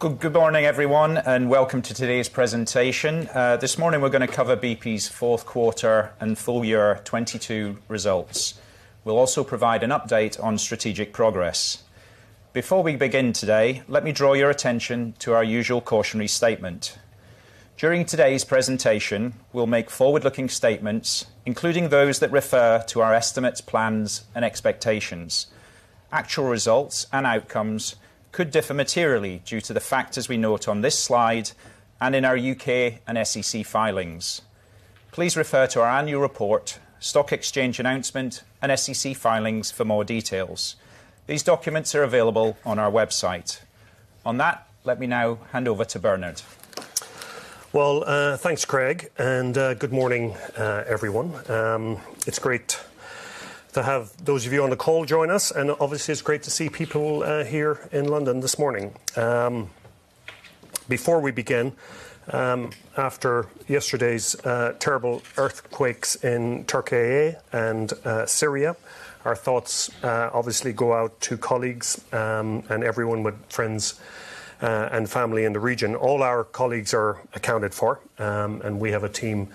Good morning, everyone, welcome to today's presentation. This morning we're gonna cover BP's fourth quarter and full year 2022 results. We'll also provide an update on strategic progress. Before we begin today, let me draw your attention to our usual cautionary statement. During today's presentation, we'll make forward-looking statements, including those that refer to our estimates, plans, and expectations. Actual results and outcomes could differ materially due to the factors we note on this slide and in our U.K. and SEC filings. Please refer to our annual report, stock exchange announcement, and SEC filings for more details. These documents are available on our website. On that, let me now hand over to Bernard. Well, thanks, Greg, and good morning, everyone. It's great to have those of you on the call join us, and obviously it's great to see people here in London this morning. Before we begin, after yesterday's terrible earthquakes in Türkiye and Syria, our thoughts obviously go out to colleagues and everyone with friends and family in the region. All our colleagues are accounted for, and we have a team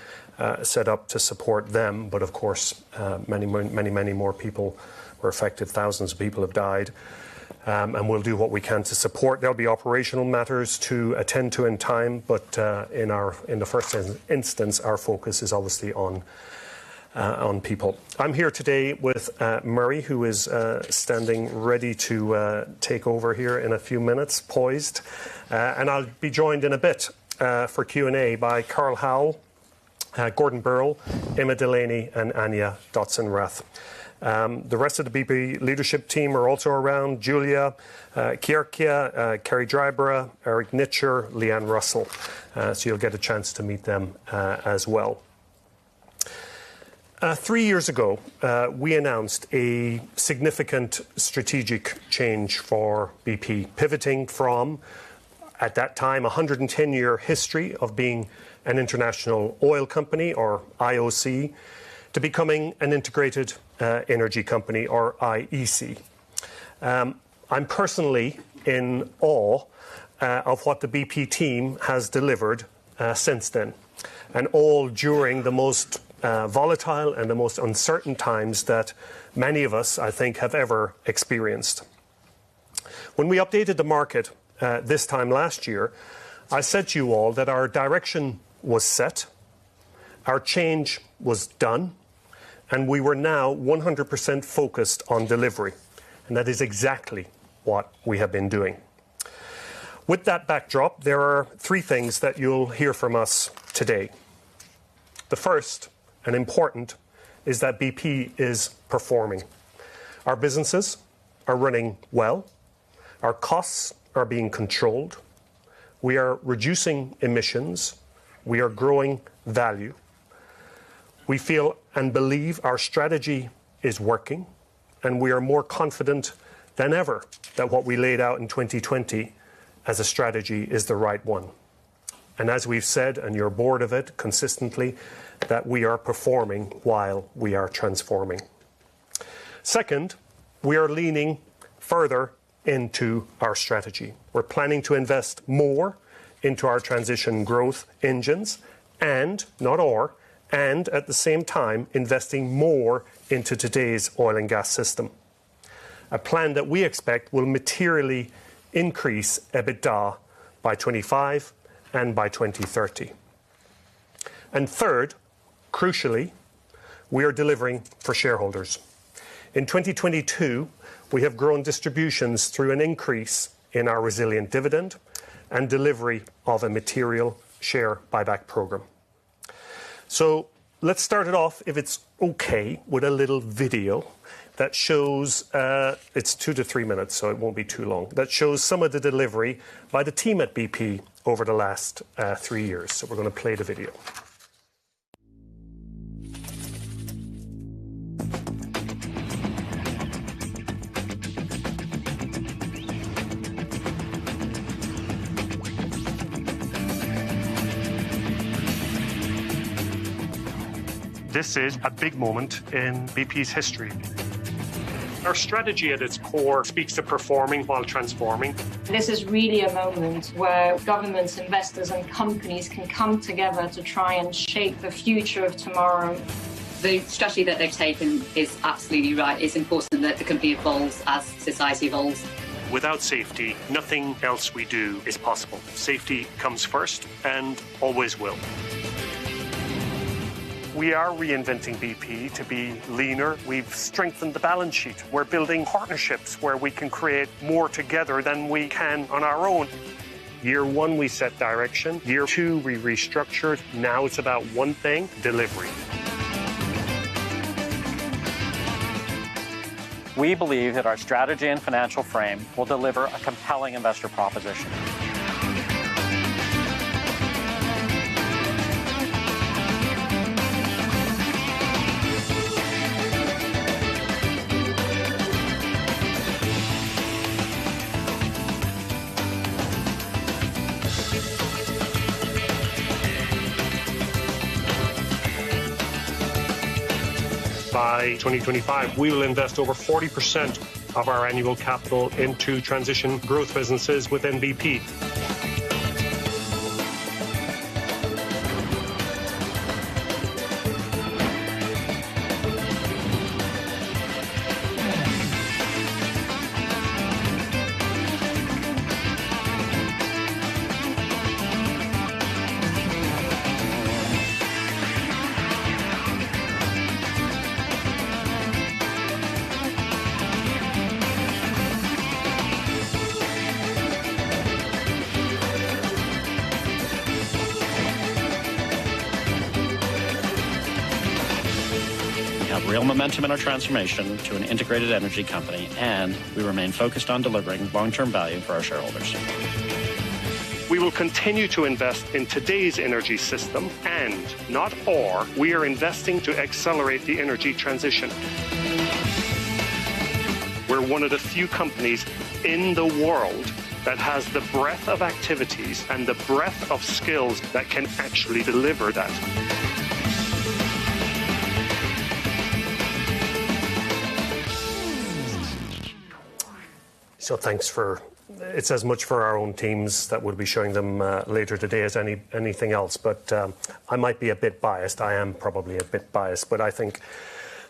set up to support them. Of course, many, many, many more people were affected. Thousands of people have died. We'll do what we can to support. There'll be operational matters to attend to in time, but in the first instance, our focus is obviously on people. I'm here today with Murray, who is standing ready to take over here in a few minutes, poised. I'll be joined in a bit for Q&A by Carol Howle, Gordon Birrell, Emma Delaney, and Anja-Isabel Dotzenrath. The rest of the BP leadership team are also around Giulia Chierchia, Kerry Dryburgh, Eric Nigh, Leigh-Ann Russell, so you'll get a chance to meet them as well. Three years ago, we announced a significant strategic change for BP, pivoting from, at that time, a 110-year history of being an international oil company, or IOC, to becoming an integrated energy company or IEC. I'm personally in awe of what the BP team has delivered since then, all during the most volatile and the most uncertain times that many of us, I think, have ever experienced. When we updated the market this time last year, I said to you all that our direction was set, our change was done, we were now 100% focused on delivery, that is exactly what we have been doing. With that backdrop, there are three things that you'll hear from us today. The first and important is that BP is performing. Our businesses are running well. Our costs are being controlled. We are reducing emissions. We are growing value. We feel and believe our strategy is working, we are more confident than ever that what we laid out in 2020 as a strategy is the right one. As we've said, and you're bored of it, consistently, that we are performing while we are transforming. Second, we are leaning further into our strategy. We're planning to invest more into our transition growth engines and, not or, and at the same time, investing more into today's oil and gas system. A plan that we expect will materially increase EBITDA by 25 and by 2030. Third, crucially, we are delivering for shareholders. In 2022, we have grown distributions through an increase in our resilient dividend and delivery of a material share buyback program. Let's start it off, if it's okay, with a little video that shows. It's two to three minutes, so it won't be too long. That shows some of the delivery by the team at BP over the last three years. We're gonna play the video. This is a big moment in BP's history. Our strategy at its core speaks to performing while transforming. This is really a moment where governments, investors, and companies can come together to try and shape the future of tomorrow. The strategy that they've taken is absolutely right. It's important that the company evolves as society evolves. Without safety, nothing else we do is possible. Safety comes first and always will. We are reinventing BP to be leaner. We've strengthened the balance sheet. We're building partnerships where we can create more together than we can on our own. Year one, we set direction. Year two, we restructured. Now it's about one thing: delivery. We believe that our strategy and financial frame will deliver a compelling investor proposition. By 2025, we will invest over 40% of our annual capital into transition growth businesses within BP. We have real momentum in our transformation to an integrated energy company, and we remain focused on delivering long-term value for our shareholders. We will continue to invest in today's energy system and, not or, we are investing to accelerate the energy transition. We're one of the few companies in the world that has the breadth of activities and the breadth of skills that can actually deliver that. Thanks for. It's as much for our own teams that we'll be showing them later today as anything else. I might be a bit biased. I am probably a bit biased, but I think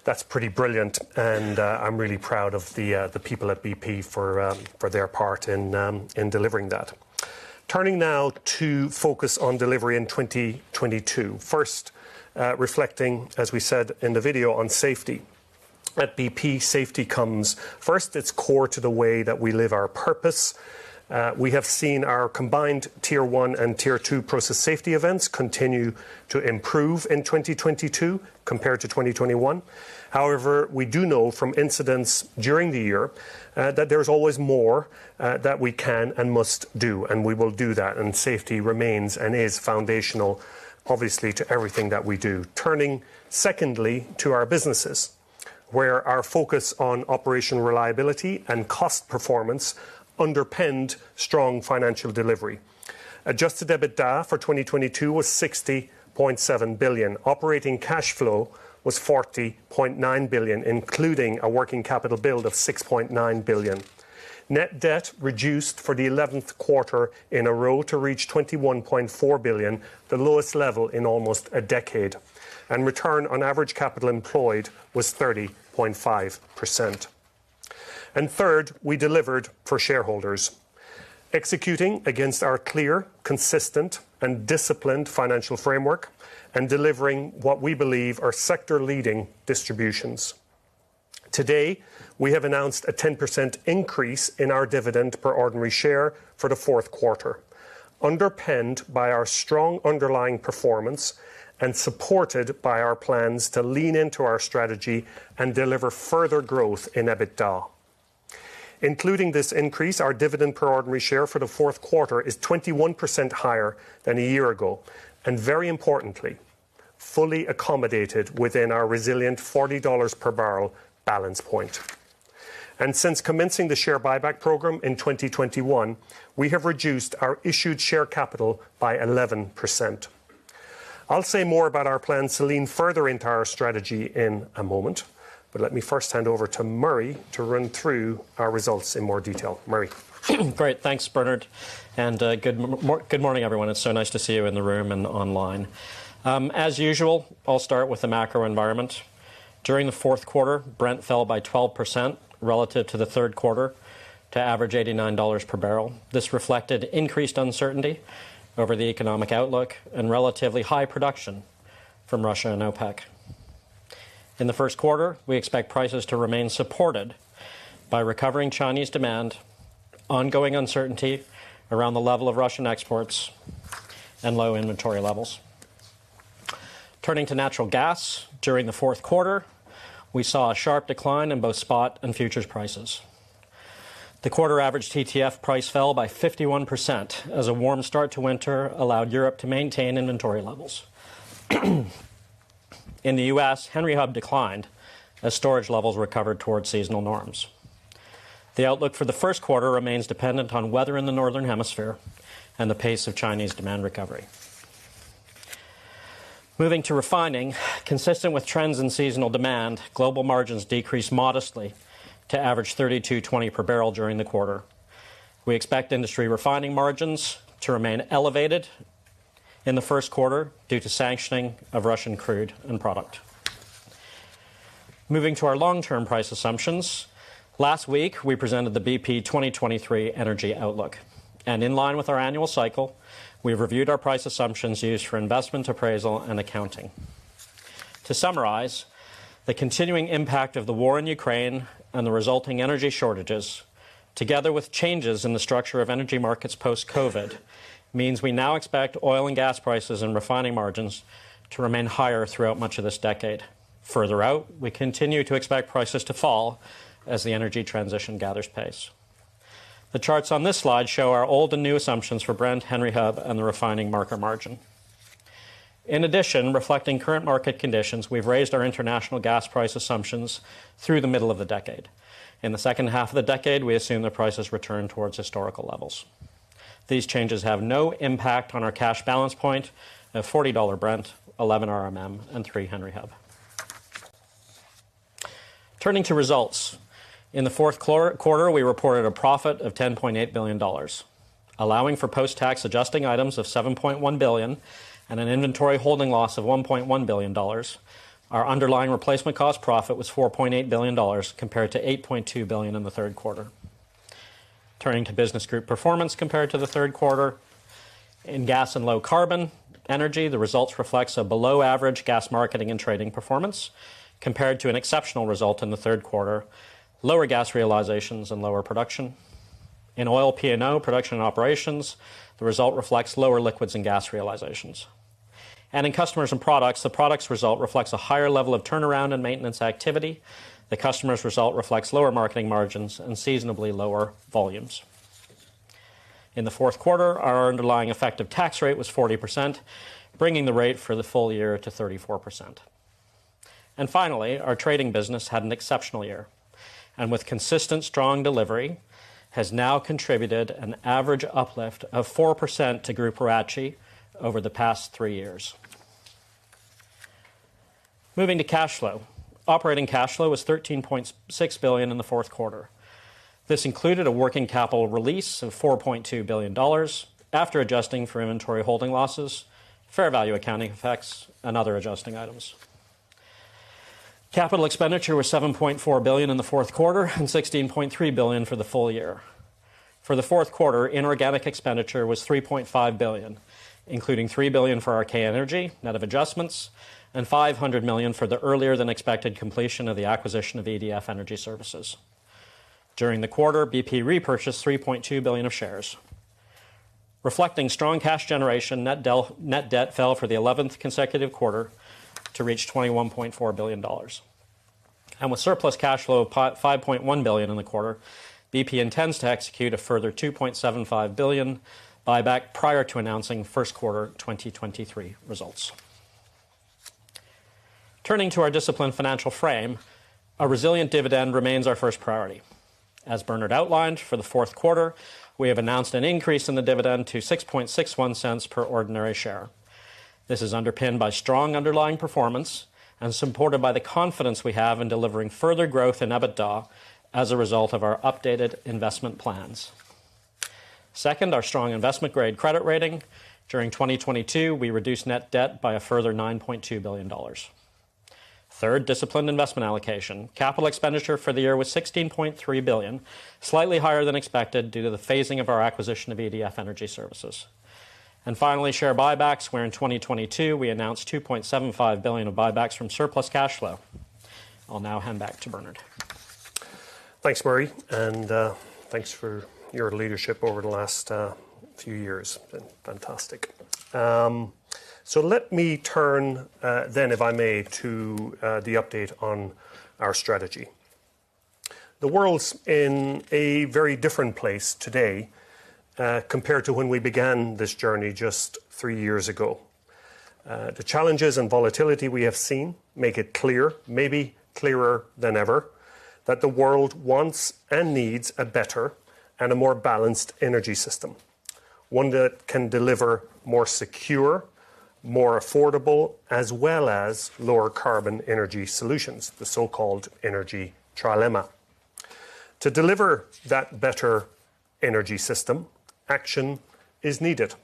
that's pretty brilliant and I'm really proud of the people at BP for their part in delivering that. Turning now to focus on delivery in 2022. First, reflecting, as we said in the video, on safety. At BP, safety comes first. It's core to the way that we live our purpose. We have seen our combined tier one and tier two process safety events continue to improve in 2022 compared to 2021. However, we do know from incidents during the year that there's always more that we can and must do, and we will do that. Safety remains and is foundational, obviously, to everything that we do. Turning secondly to our businesses, where our focus on operational reliability and cost performance underpinned strong financial delivery. Adjusted EBITDA for 2022 was $60.7 billion. Operating cash flow was $40.9 billion, including a working capital build of $6.9 billion. Net debt reduced for the 11th quarter in a row to reach $21.4 billion, the lowest level in almost a decade. Return on Average Capital Employed was 30.5%. Third, we delivered for shareholders. Executing against our clear, consistent, and disciplined financial framework and delivering what we believe are sector-leading distributions. Today, we have announced a 10% increase in our dividend per ordinary share for the fourth quarter, underpinned by our strong underlying performance and supported by our plans to lean into our strategy and deliver further growth in EBITDA. Including this increase, our dividend per ordinary share for the fourth quarter is 21% higher than a year ago. Very importantly, fully accommodated within our resilient $40 per barrel balance point. Since commencing the share buyback program in 2021, we have reduced our issued share capital by 11%. I'll say more about our plans to lean further into our strategy in a moment. Let me first hand over to Murray to run through our results in more detail. Murray. Great. Thanks, Bernard. Good morning, everyone. It's so nice to see you in the room and online. As usual, I'll start with the macro environment. During the fourth quarter, Brent fell by 12% relative to the third quarter to average $89 per barrel. This reflected increased uncertainty over the economic outlook and relatively high production from Russia and OPEC. In the first quarter, we expect prices to remain supported by recovering Chinese demand, ongoing uncertainty around the level of Russian exports, and low inventory levels. Turning to natural gas, during the fourth quarter, we saw a sharp decline in both spot and futures prices. The quarter average TTF price fell by 51% as a warm start to winter allowed Europe to maintain inventory levels. In the U.S., Henry Hub declined as storage levels recovered towards seasonal norms. The outlook for the first quarter remains dependent on weather in the northern hemisphere and the pace of Chinese demand recovery. Moving to refining, consistent with trends in seasonal demand, global margins decreased modestly to average $32.20 per barrel during the quarter. We expect industry refining margins to remain elevated in the first quarter due to sanctioning of Russian crude and product. Moving to our long-term price assumptions, last week we presented the BP 2023 energy outlook. In line with our annual cycle, we reviewed our price assumptions used for investment appraisal and accounting. To summarize, the continuing impact of the war in Ukraine and the resulting energy shortages, together with changes in the structure of energy markets post-COVID, means we now expect oil and gas prices and refining margins to remain higher throughout much of this decade. Further out, we continue to expect prices to fall as the energy transition gathers pace. The charts on this slide show our old and new assumptions for Brent, Henry Hub, and the refining market margin. Reflecting current market conditions, we've raised our international gas price assumptions through the middle of the decade. In the second half of the decade, we assume the prices return towards historical levels. These changes have no impact on our cash balance point at $40 Brent, 11 RMM, and three Henry Hub. Turning to results. In the fourth quarter, we reported a profit of $10.8 billion. Allowing for post-tax adjusting items of $7.1 billion and an inventory holding loss of $1.1 billion, our underlying replacement cost profit was $4.8 billion compared to $8.2 billion in the third quarter. Turning to business group performance compared to the third quarter. In Gas and Low Carbon Energy, the results reflects a below average gas marketing and trading performance compared to an exceptional result in the third quarter, lower gas realizations and lower production. In oil P&O, Production & Operations, the result reflects lower liquids and gas realizations. In Customers & Products, the products result reflects a higher level of turnaround and maintenance activity. The customers result reflects lower marketing margins and seasonably lower volumes. In the fourth quarter, our underlying effective tax rate was 40%, bringing the rate for the full year to 34%. Finally, our trading business had an exceptional year, and with consistent strong delivery, has now contributed an average uplift of 4% to group ROACE over the past three years. Moving to cash flow. Operating cash flow was $13.6 billion in the fourth quarter. This included a working capital release of $4.2 billion after adjusting for inventory holding losses, fair value accounting effects, and other adjusting items. Capital expenditure was $7.4 billion in the fourth quarter and $16.3 billion for the full year. For the fourth quarter, inorganic expenditure was $3.5 billion, including $3 billion for Archaea Energy, net of adjustments, and $500 million for the earlier than expected completion of the acquisition of EDF Energy Services. During the quarter, BP repurchased $3.2 billion of shares. Reflecting strong cash generation, net debt fell for the 11th consecutive quarter to reach $21.4 billion. With surplus cash flow of $5.1 billion in the quarter, BP intends to execute a further $2.75 billion buyback prior to announcing first quarter 2023 results. Turning to our disciplined financial frame, a resilient dividend remains our first priority. As Bernard outlined, for the fourth quarter, we have announced an increase in the dividend to $0.0661 per ordinary share. This is underpinned by strong underlying performance and supported by the confidence we have in delivering further growth in EBITDA as a result of our updated investment plans. Second, our strong investment-grade credit rating. During 2022, we reduced net debt by a further $9.2 billion. Third, disciplined investment allocation. Capital expenditure for the year was $16.3 billion, slightly higher than expected due to the phasing of our acquisition of EDF Energy Services. Finally, share buybacks, where in 2022, we announced $2.75 billion of buybacks from surplus cash flow. I'll now hand back to Bernard. Thanks, Murray, thanks for your leadership over the last few years. Been fantastic. Let me turn, then, if I may, to the update on our strategy. The world's in a very different place today, compared to when we began this journey just three years ago. The challenges and volatility we have seen make it clear, maybe clearer than ever, that the world wants and needs a better and a more balanced energy system, one that can deliver more secure, more affordable, as well as lower carbon energy solutions, the so-called energy trilemma. To deliver that better energy system, action is needed.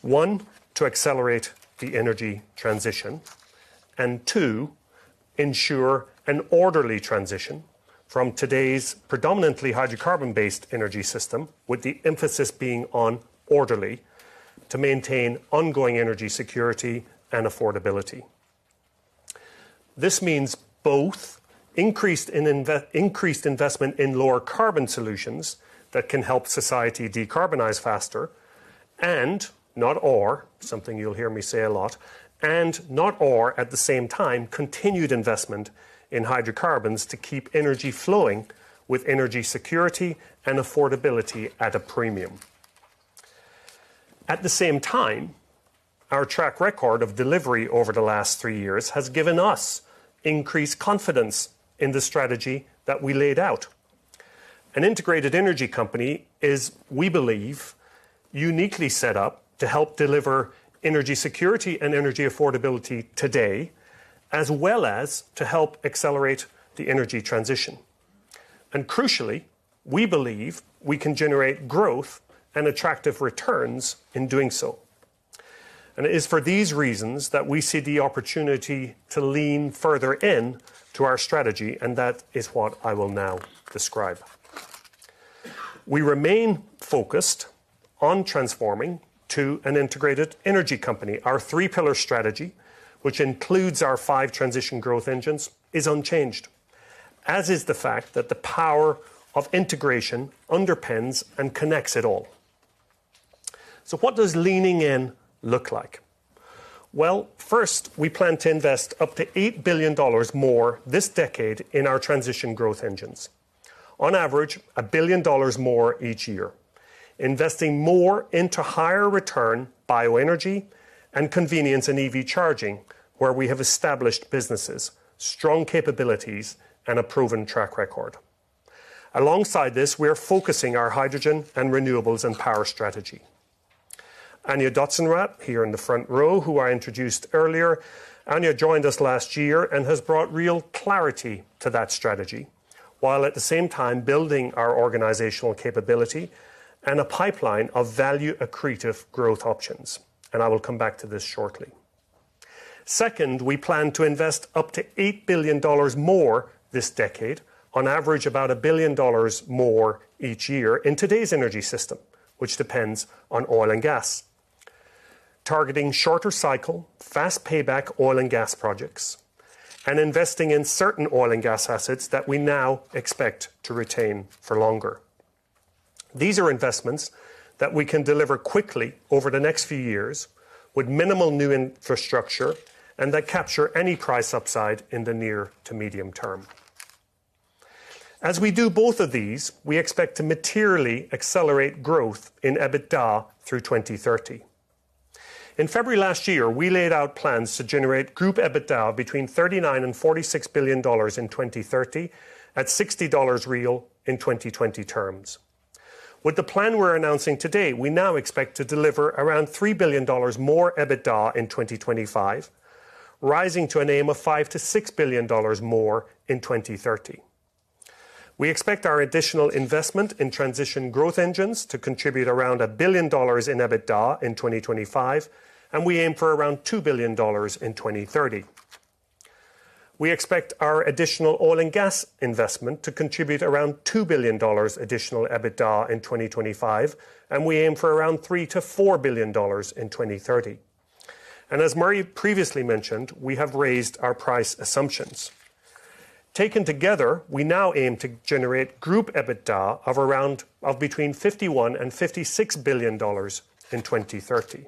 One, to accelerate the energy transition. Two, ensure an orderly transition from today's predominantly hydrocarbon-based energy system, with the emphasis being on orderly, to maintain ongoing energy security and affordability. This means both increased investment in lower carbon solutions that can help society decarbonize faster and, not or, something you'll hear me say a lot, and not or, at the same time, continued investment in hydrocarbons to keep energy flowing with energy security and affordability at a premium. At the same time, our track record of delivery over the last three years has given us increased confidence in the strategy that we laid out. An integrated energy company is, we believe, uniquely set up to help deliver energy security and energy affordability today, as well as to help accelerate the energy transition. Crucially, we believe we can generate growth and attractive returns in doing so. It is for these reasons that we see the opportunity to lean further in to our strategy, and that is what I will now describe. We remain focused on transforming to an integrated energy company. Our three-pillar strategy, which includes our five transition growth engines, is unchanged, as is the fact that the power of integration underpins and connects it all. What does leaning in look like? Well, first, we plan to invest up to $8 billion more this decade in our transition growth engines. On average, $1 billion more each year. Investing more into higher return bioenergy and convenience and EV charging, where we have established businesses, strong capabilities, and a proven track record. Alongside this, we are focusing our hydrogen and renewables and power strategy. Anja-Isabel Dotzenrath, here in the front row, who I introduced earlier. Anja joined us last year and has brought real clarity to that strategy, while at the same time building our organizational capability and a pipeline of value accretive growth options. I will come back to this shortly. Second, we plan to invest up to $8 billion more this decade, on average about $1 billion more each year in today's energy system, which depends on oil and gas. Targeting shorter cycle, fast payback oil and gas projects, and investing in certain oil and gas assets that we now expect to retain for longer. These are investments that we can deliver quickly over the next few years with minimal new infrastructure and that capture any price upside in the near to medium term. As we do both of these, we expect to materially accelerate growth in EBITDA through 2030. In February last year, we laid out plans to generate group EBITDA between $39 billion-$46 billion in 2030 at $60 real in 2020 terms. With the plan we're announcing today, we now expect to deliver around $3 billion more EBITDA in 2025, rising to an aim of $5 billion-$6 billion more in 2030. We expect our additional investment in transition growth engines to contribute around $1 billion in EBITDA in 2025, and we aim for around $2 billion in 2030. We expect our additional oil and gas investment to contribute around $2 billion additional EBITDA in 2025, and we aim for around $3 billion-$4 billion in 2030. As Murray previously mentioned, we have raised our price assumptions. Taken together, we now aim to generate group EBITDA of between $51 billion and $56 billion in 2030.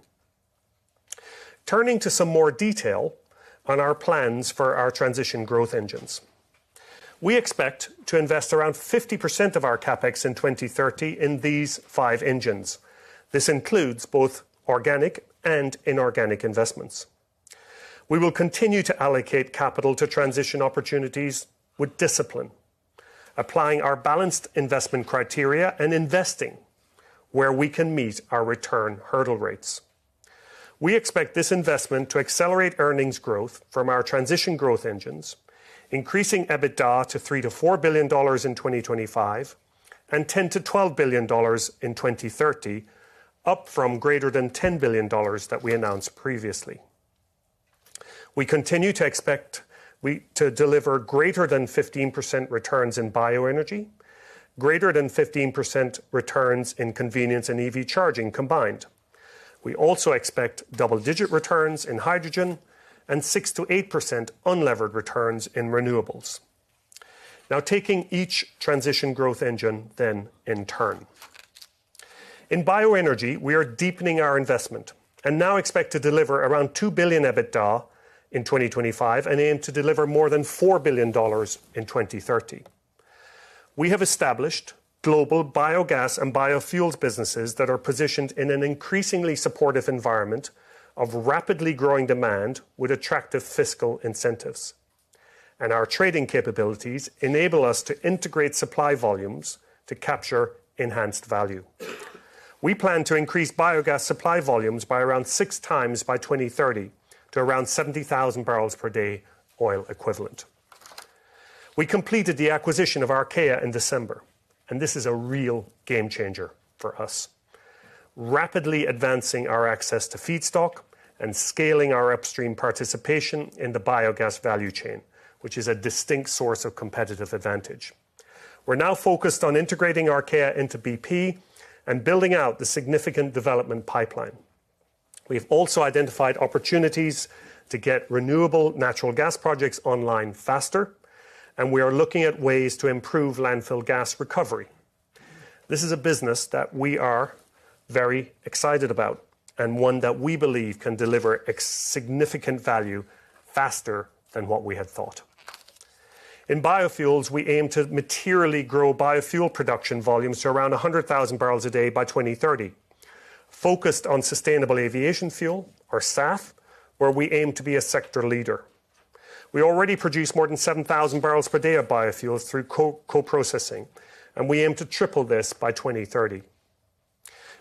Turning to some more detail on our plans for our transition growth engines. We expect to invest around 50% of our CapEx in 2030 in these five engines. This includes both organic and inorganic investments. We will continue to allocate capital to transition opportunities with discipline, applying our balanced investment criteria and investing where we can meet our return hurdle rates. We expect this investment to accelerate earnings growth from our transition growth engines, increasing EBITDA to $3 billion-$4 billion in 2025 and $10 billion-$12 billion in 2030, up from greater than $10 billion that we announced previously. We continue to expect to deliver greater than 15% returns in bioenergy, greater than 15% returns in convenience and EV charging combined. We also expect double-digit returns in hydrogen and 6%-8% unlevered returns in renewables. Now taking each transition growth engine then in turn. In bioenergy, we are deepening our investment and now expect to deliver around $2 billion EBITDA in 2025 and aim to deliver more than $4 billion in 2030. We have established global biogas and biofuels businesses that are positioned in an increasingly supportive environment of rapidly growing demand with attractive fiscal incentives. Our trading capabilities enable us to integrate supply volumes to capture enhanced value. We plan to increase biogas supply volumes by around 6x by 2030 to around 70,000 barrels per day oil equivalent. We completed the acquisition of Archaea in December, this is a real game-changer for us, rapidly advancing our access to feedstock and scaling our upstream participation in the biogas value chain, which is a distinct source of competitive advantage. We're now focused on integrating Archaea into BP and building out the significant development pipeline. We have also identified opportunities to get renewable natural gas projects online faster. We are looking at ways to improve landfill gas recovery. This is a business that we are very excited about and one that we believe can deliver a significant value faster than what we had thought. In biofuels, we aim to materially grow biofuel production volumes to around 100,000 barrels a day by 2030. Focused on sustainable aviation fuel or SAF, where we aim to be a sector leader. We already produce more than 7,000 barrels per day of biofuels through co-processing, and we aim to triple this by 2030.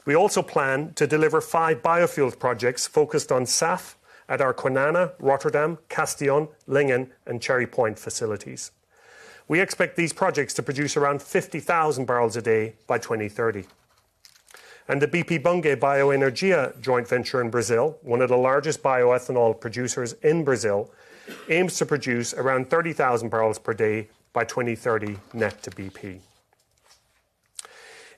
We also plan to deliver five biofuel projects focused on SAF at our Kwinana, Rotterdam, Castellón, Lingen, and Cherry Point facilities. We expect these projects to produce around 50,000 barrels a day by 2030. The BP Bunge Bioenergia joint venture in Brazil, one of the largest bioethanol producers in Brazil, aims to produce around 30,000 barrels per day by 2030 net to BP.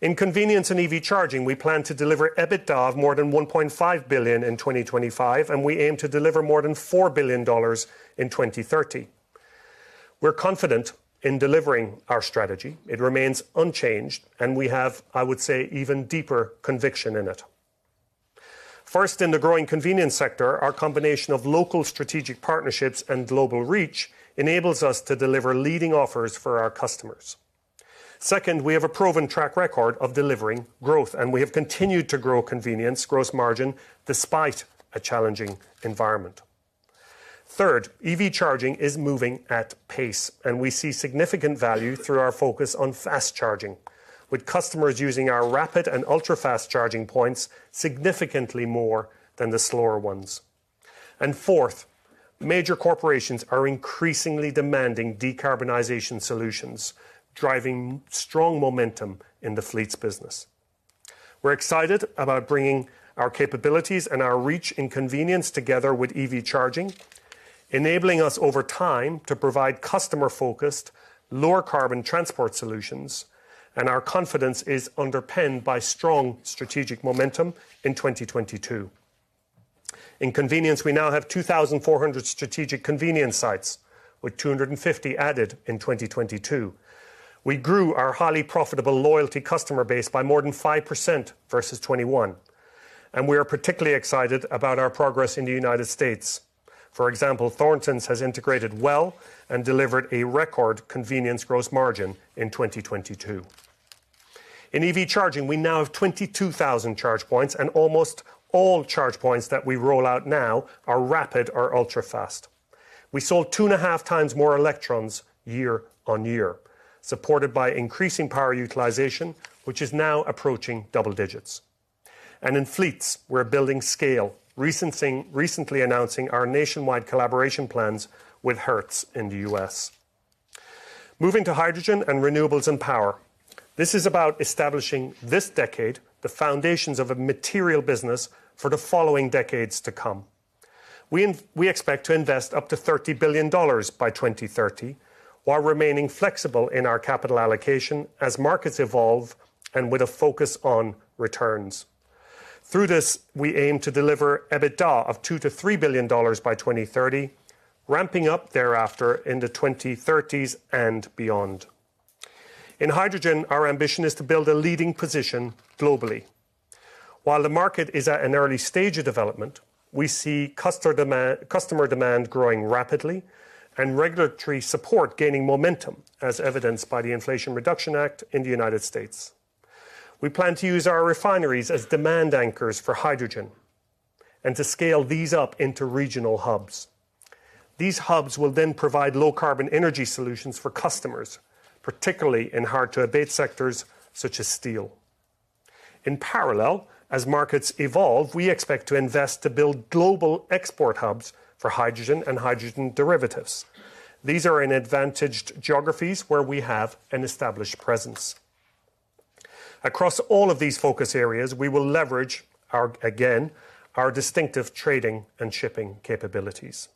In convenience and EV charging, we plan to deliver EBITDA of more than $1.5 billion in 2025, and we aim to deliver more than $4 billion in 2030. We're confident in delivering our strategy. It remains unchanged and we have, I would say, even deeper conviction in it. First, in the growing convenience sector, our combination of local strategic partnerships and global reach enables us to deliver leading offers for our customers. Second, we have a proven track record of delivering growth, we have continued to grow convenience gross margin despite a challenging environment. Third, EV charging is moving at pace, we see significant value through our focus on fast charging, with customers using our rapid and ultra-fast charging points significantly more than the slower ones. Fourth, major corporations are increasingly demanding decarbonization solutions, driving strong momentum in the fleets business. We're excited about bringing our capabilities and our reach and convenience together with EV charging, enabling us over time to provide customer-focused, lower carbon transport solutions, and our confidence is underpinned by strong strategic momentum in 2022. In convenience, we now have 2,400 strategic convenience sites, with 250 added in 2022. We grew our highly profitable loyalty customer base by more than 5% versus 2021. We are particularly excited about our progress in the United States. For example, Thorntons has integrated well and delivered a record convenience gross margin in 2022. In EV charging, we now have 22,000 charge points. Almost all charge points that we roll out now are rapid or ultra-fast. We sold 2.5x more electrons year-on-year, supported by increasing power utilization, which is now approaching double digits. In fleets, we're building scale, recently announcing our nationwide collaboration plans with Hertz in the U.S. Moving to hydrogen and renewables and power. This is about establishing this decade, the foundations of a material business for the following decades to come. We expect to invest up to $30 billion by 2030, while remaining flexible in our capital allocation as markets evolve and with a focus on returns. Through this, we aim to deliver EBITDA of $2 billion-$3 billion by 2030, ramping up thereafter into 2030s and beyond. In hydrogen, our ambition is to build a leading position globally. While the market is at an early stage of development, we see customer demand growing rapidly and regulatory support gaining momentum as evidenced by the Inflation Reduction Act in the United States. We plan to use our refineries as demand anchors for hydrogen and to scale these up into regional hubs. These hubs will then provide low carbon energy solutions for customers, particularly in hard to abate sectors such as steel. In parallel, as markets evolve, we expect to invest to build global export hubs for hydrogen and hydrogen derivatives. These are in advantaged geographies where we have an established presence. Across all of these focus areas, we will leverage our, again, our distinctive trading and shipping capabilities.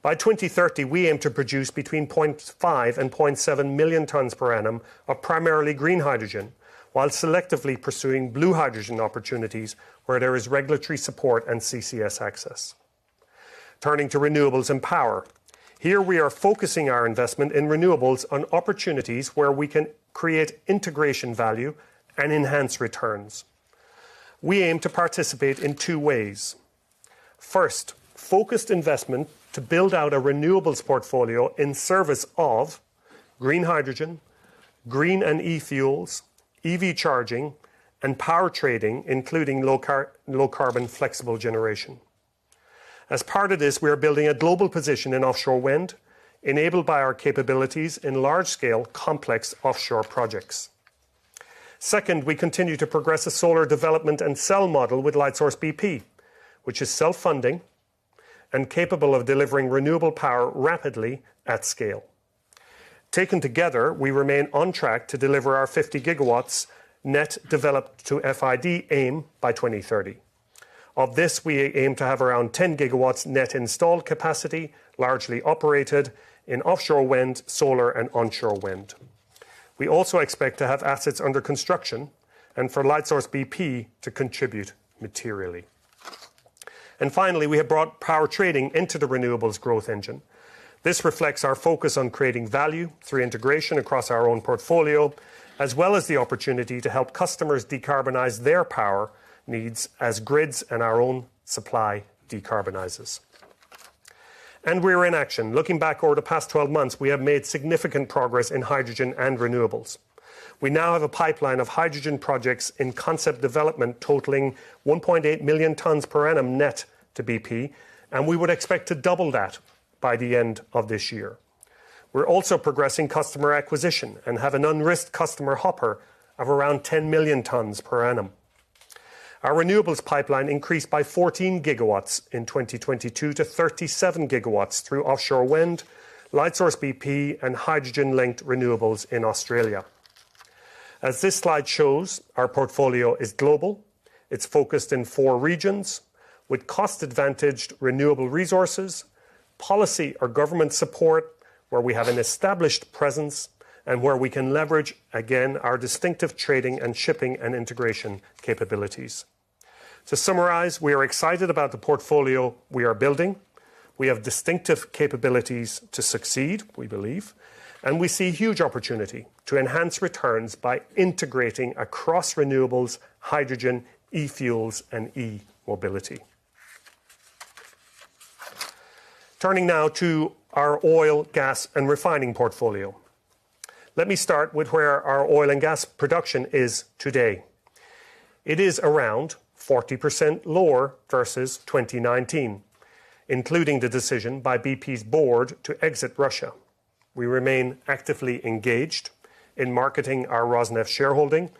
By 2030, we aim to produce between 0.5 and 0.7 million tons per annum of primarily green hydrogen, while selectively pursuing blue hydrogen opportunities where there is regulatory support and CCS access. Turning to renewables and power. Here we are focusing our investment in renewables on opportunities where we can create integration value and enhance returns. We aim to participate in two ways. First, focused investment to build out a renewables portfolio in service of green hydrogen, green and e-fuels, EV charging and power trading, including low carbon flexible generation. As part of this, we are building a global position in offshore wind, enabled by our capabilities in large scale complex offshore projects. Second, we continue to progress a solar development and cell model with Lightsource bp, which is self-funding and capable of delivering renewable power rapidly at scale. Taken together, we remain on track to deliver our 50 GW net developed to FID aim by 2030. Of this, we aim to have around 10 GW net installed capacity, largely operated in offshore wind, solar and onshore wind. We also expect to have assets under construction and for Lightsource bp to contribute materially. Finally, we have brought power trading into the renewables growth engine. This reflects our focus on creating value through integration across our own portfolio, as well as the opportunity to help customers decarbonize their power needs as grids and our own supply decarbonizes. We're in action. Looking back over the past 12 months, we have made significant progress in hydrogen and renewables. We now have a pipeline of hydrogen projects in concept development totaling 1.8 million tons per annum net to BP, we would expect to double that by the end of this year. We're also progressing customer acquisition and have an unrisked customer hopper of around 10 million tons per annum. Our renewables pipeline increased by 14 GW in 2022 to 37 GW through offshore wind, Lightsource bp and hydrogen-linked renewables in Australia. As this slide shows, our portfolio is global. It's focused in four regions with cost-advantaged renewable resources, policy or government support, where we have an established presence and where we can leverage again, our distinctive trading and shipping and integration capabilities. To summarize, we are excited about the portfolio we are building. We have distinctive capabilities to succeed, we believe. We see huge opportunity to enhance returns by integrating across renewables, hydrogen, e-fuels and e-mobility. Turning now to our oil, gas and refining portfolio. Let me start with where our oil and gas production is today. It is around 40% lower versus 2019, including the decision by bp's board to exit Russia. We remain actively engaged in marketing our Rosneft shareholding.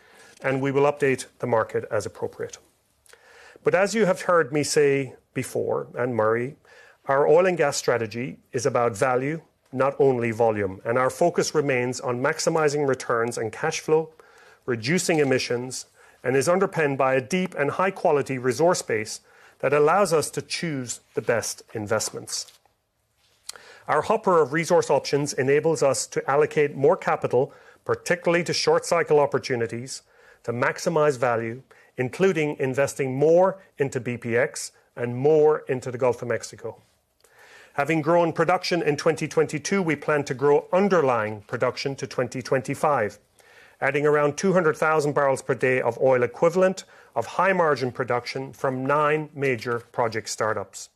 We will update the market as appropriate. As you have heard me say before, and Murray, our oil and gas strategy is about value, not only volume. Our focus remains on maximizing returns and cash flow, reducing emissions, and is underpinned by a deep and high-quality resource base that allows us to choose the best investments. Our hopper of resource options enables us to allocate more capital, particularly to short-cycle opportunities to maximize value, including investing more into bpx and more into the Gulf of Mexico. Having grown production in 2022, we plan to grow underlying production to 2025, adding around 200,000 barrels per day of oil equivalent of high margin production from nine major project startups.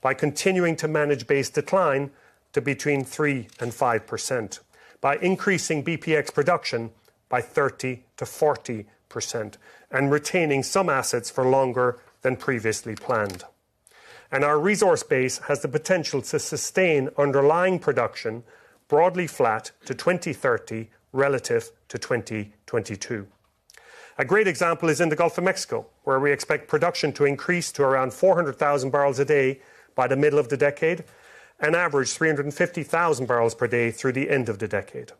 By continuing to manage base decline to between 3% and 5%, by increasing bpx production by 30%-40% and retaining some assets for longer than previously planned. Our resource base has the potential to sustain underlying production broadly flat to 2030 relative to 2022. A great example is in the Gulf of Mexico, where we expect production to increase to around 400,000 barrels a day by the middle of the decade, an average 350,000 barrels per day through the end of the decade.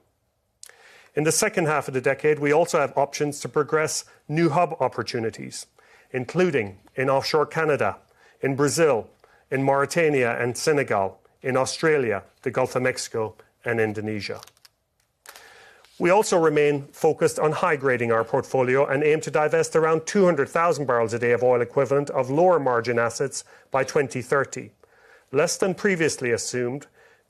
In the second half of the decade, we also have options to progress new hub opportunities, including in offshore Canada, in Brazil, in Mauritania and Senegal, in Australia, the Gulf of Mexico, and Indonesia. We also remain focused on high-grading our portfolio and aim to divest around 200,000 barrels a day of oil equivalent of lower margin assets by 2030. Less than previously assumed,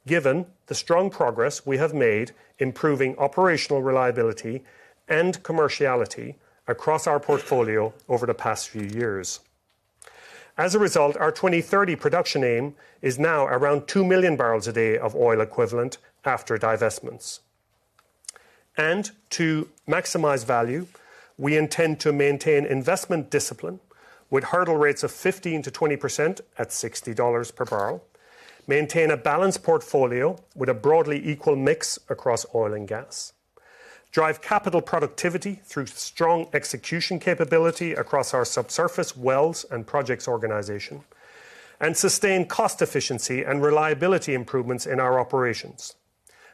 given the strong progress we have made improving operational reliability and commerciality across our portfolio over the past few years. As a result, our 2030 production aim is now around 2 million barrels a day of oil equivalent after divestments. To maximize value, we intend to maintain investment discipline with hurdle rates of 15%-20% at $60 per barrel, maintain a balanced portfolio with a broadly equal mix across oil and gas, drive capital productivity through strong execution capability across our subsurface wells and projects organization, and sustain cost efficiency and reliability improvements in our operations.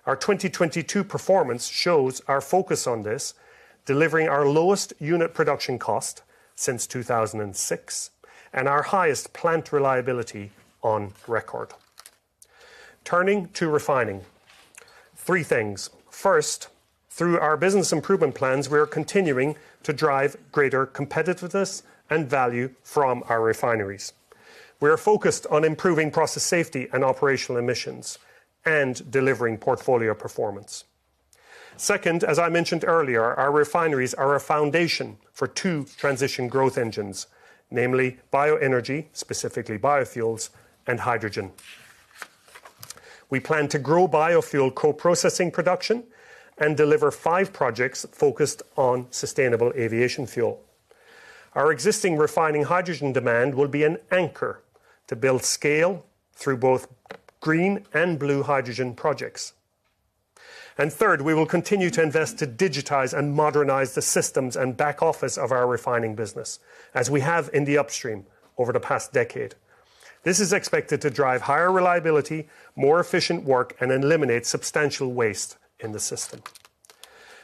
Our 2022 performance shows our focus on this, delivering our lowest unit production cost since 2006 and our highest plant reliability on record. Turning to refining. Three things. First, through our business improvement plans, we are continuing to drive greater competitiveness and value from our refineries. We are focused on improving process safety and operational emissions and delivering portfolio performance. Second, as I mentioned earlier, our refineries are a foundation for two transition growth engines, namely bioenergy, specifically biofuels and hydrogen. We plan to grow biofuel co-processing production and deliver five projects focused on sustainable aviation fuel. Our existing refining hydrogen demand will be an anchor to build scale through both green and blue hydrogen projects. Third, we will continue to invest to digitize and modernize the systems and back office of our refining business, as we have in the upstream over the past decade. This is expected to drive higher reliability, more efficient work, and eliminate substantial waste in the system.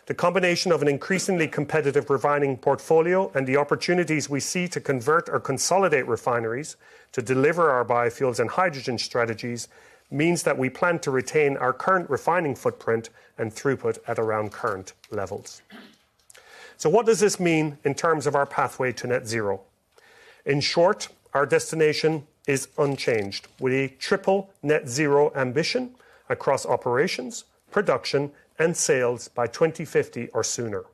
The combination of an increasingly competitive refining portfolio and the opportunities we see to convert or consolidate refineries to deliver our biofuels and hydrogen strategies means that we plan to retain our current refining footprint and throughput at around current levels. What does this mean in terms of our pathway to net zero? In short, our destination is unchanged. We triple net zero ambition across operations, production, and sales by 2050 or sooner.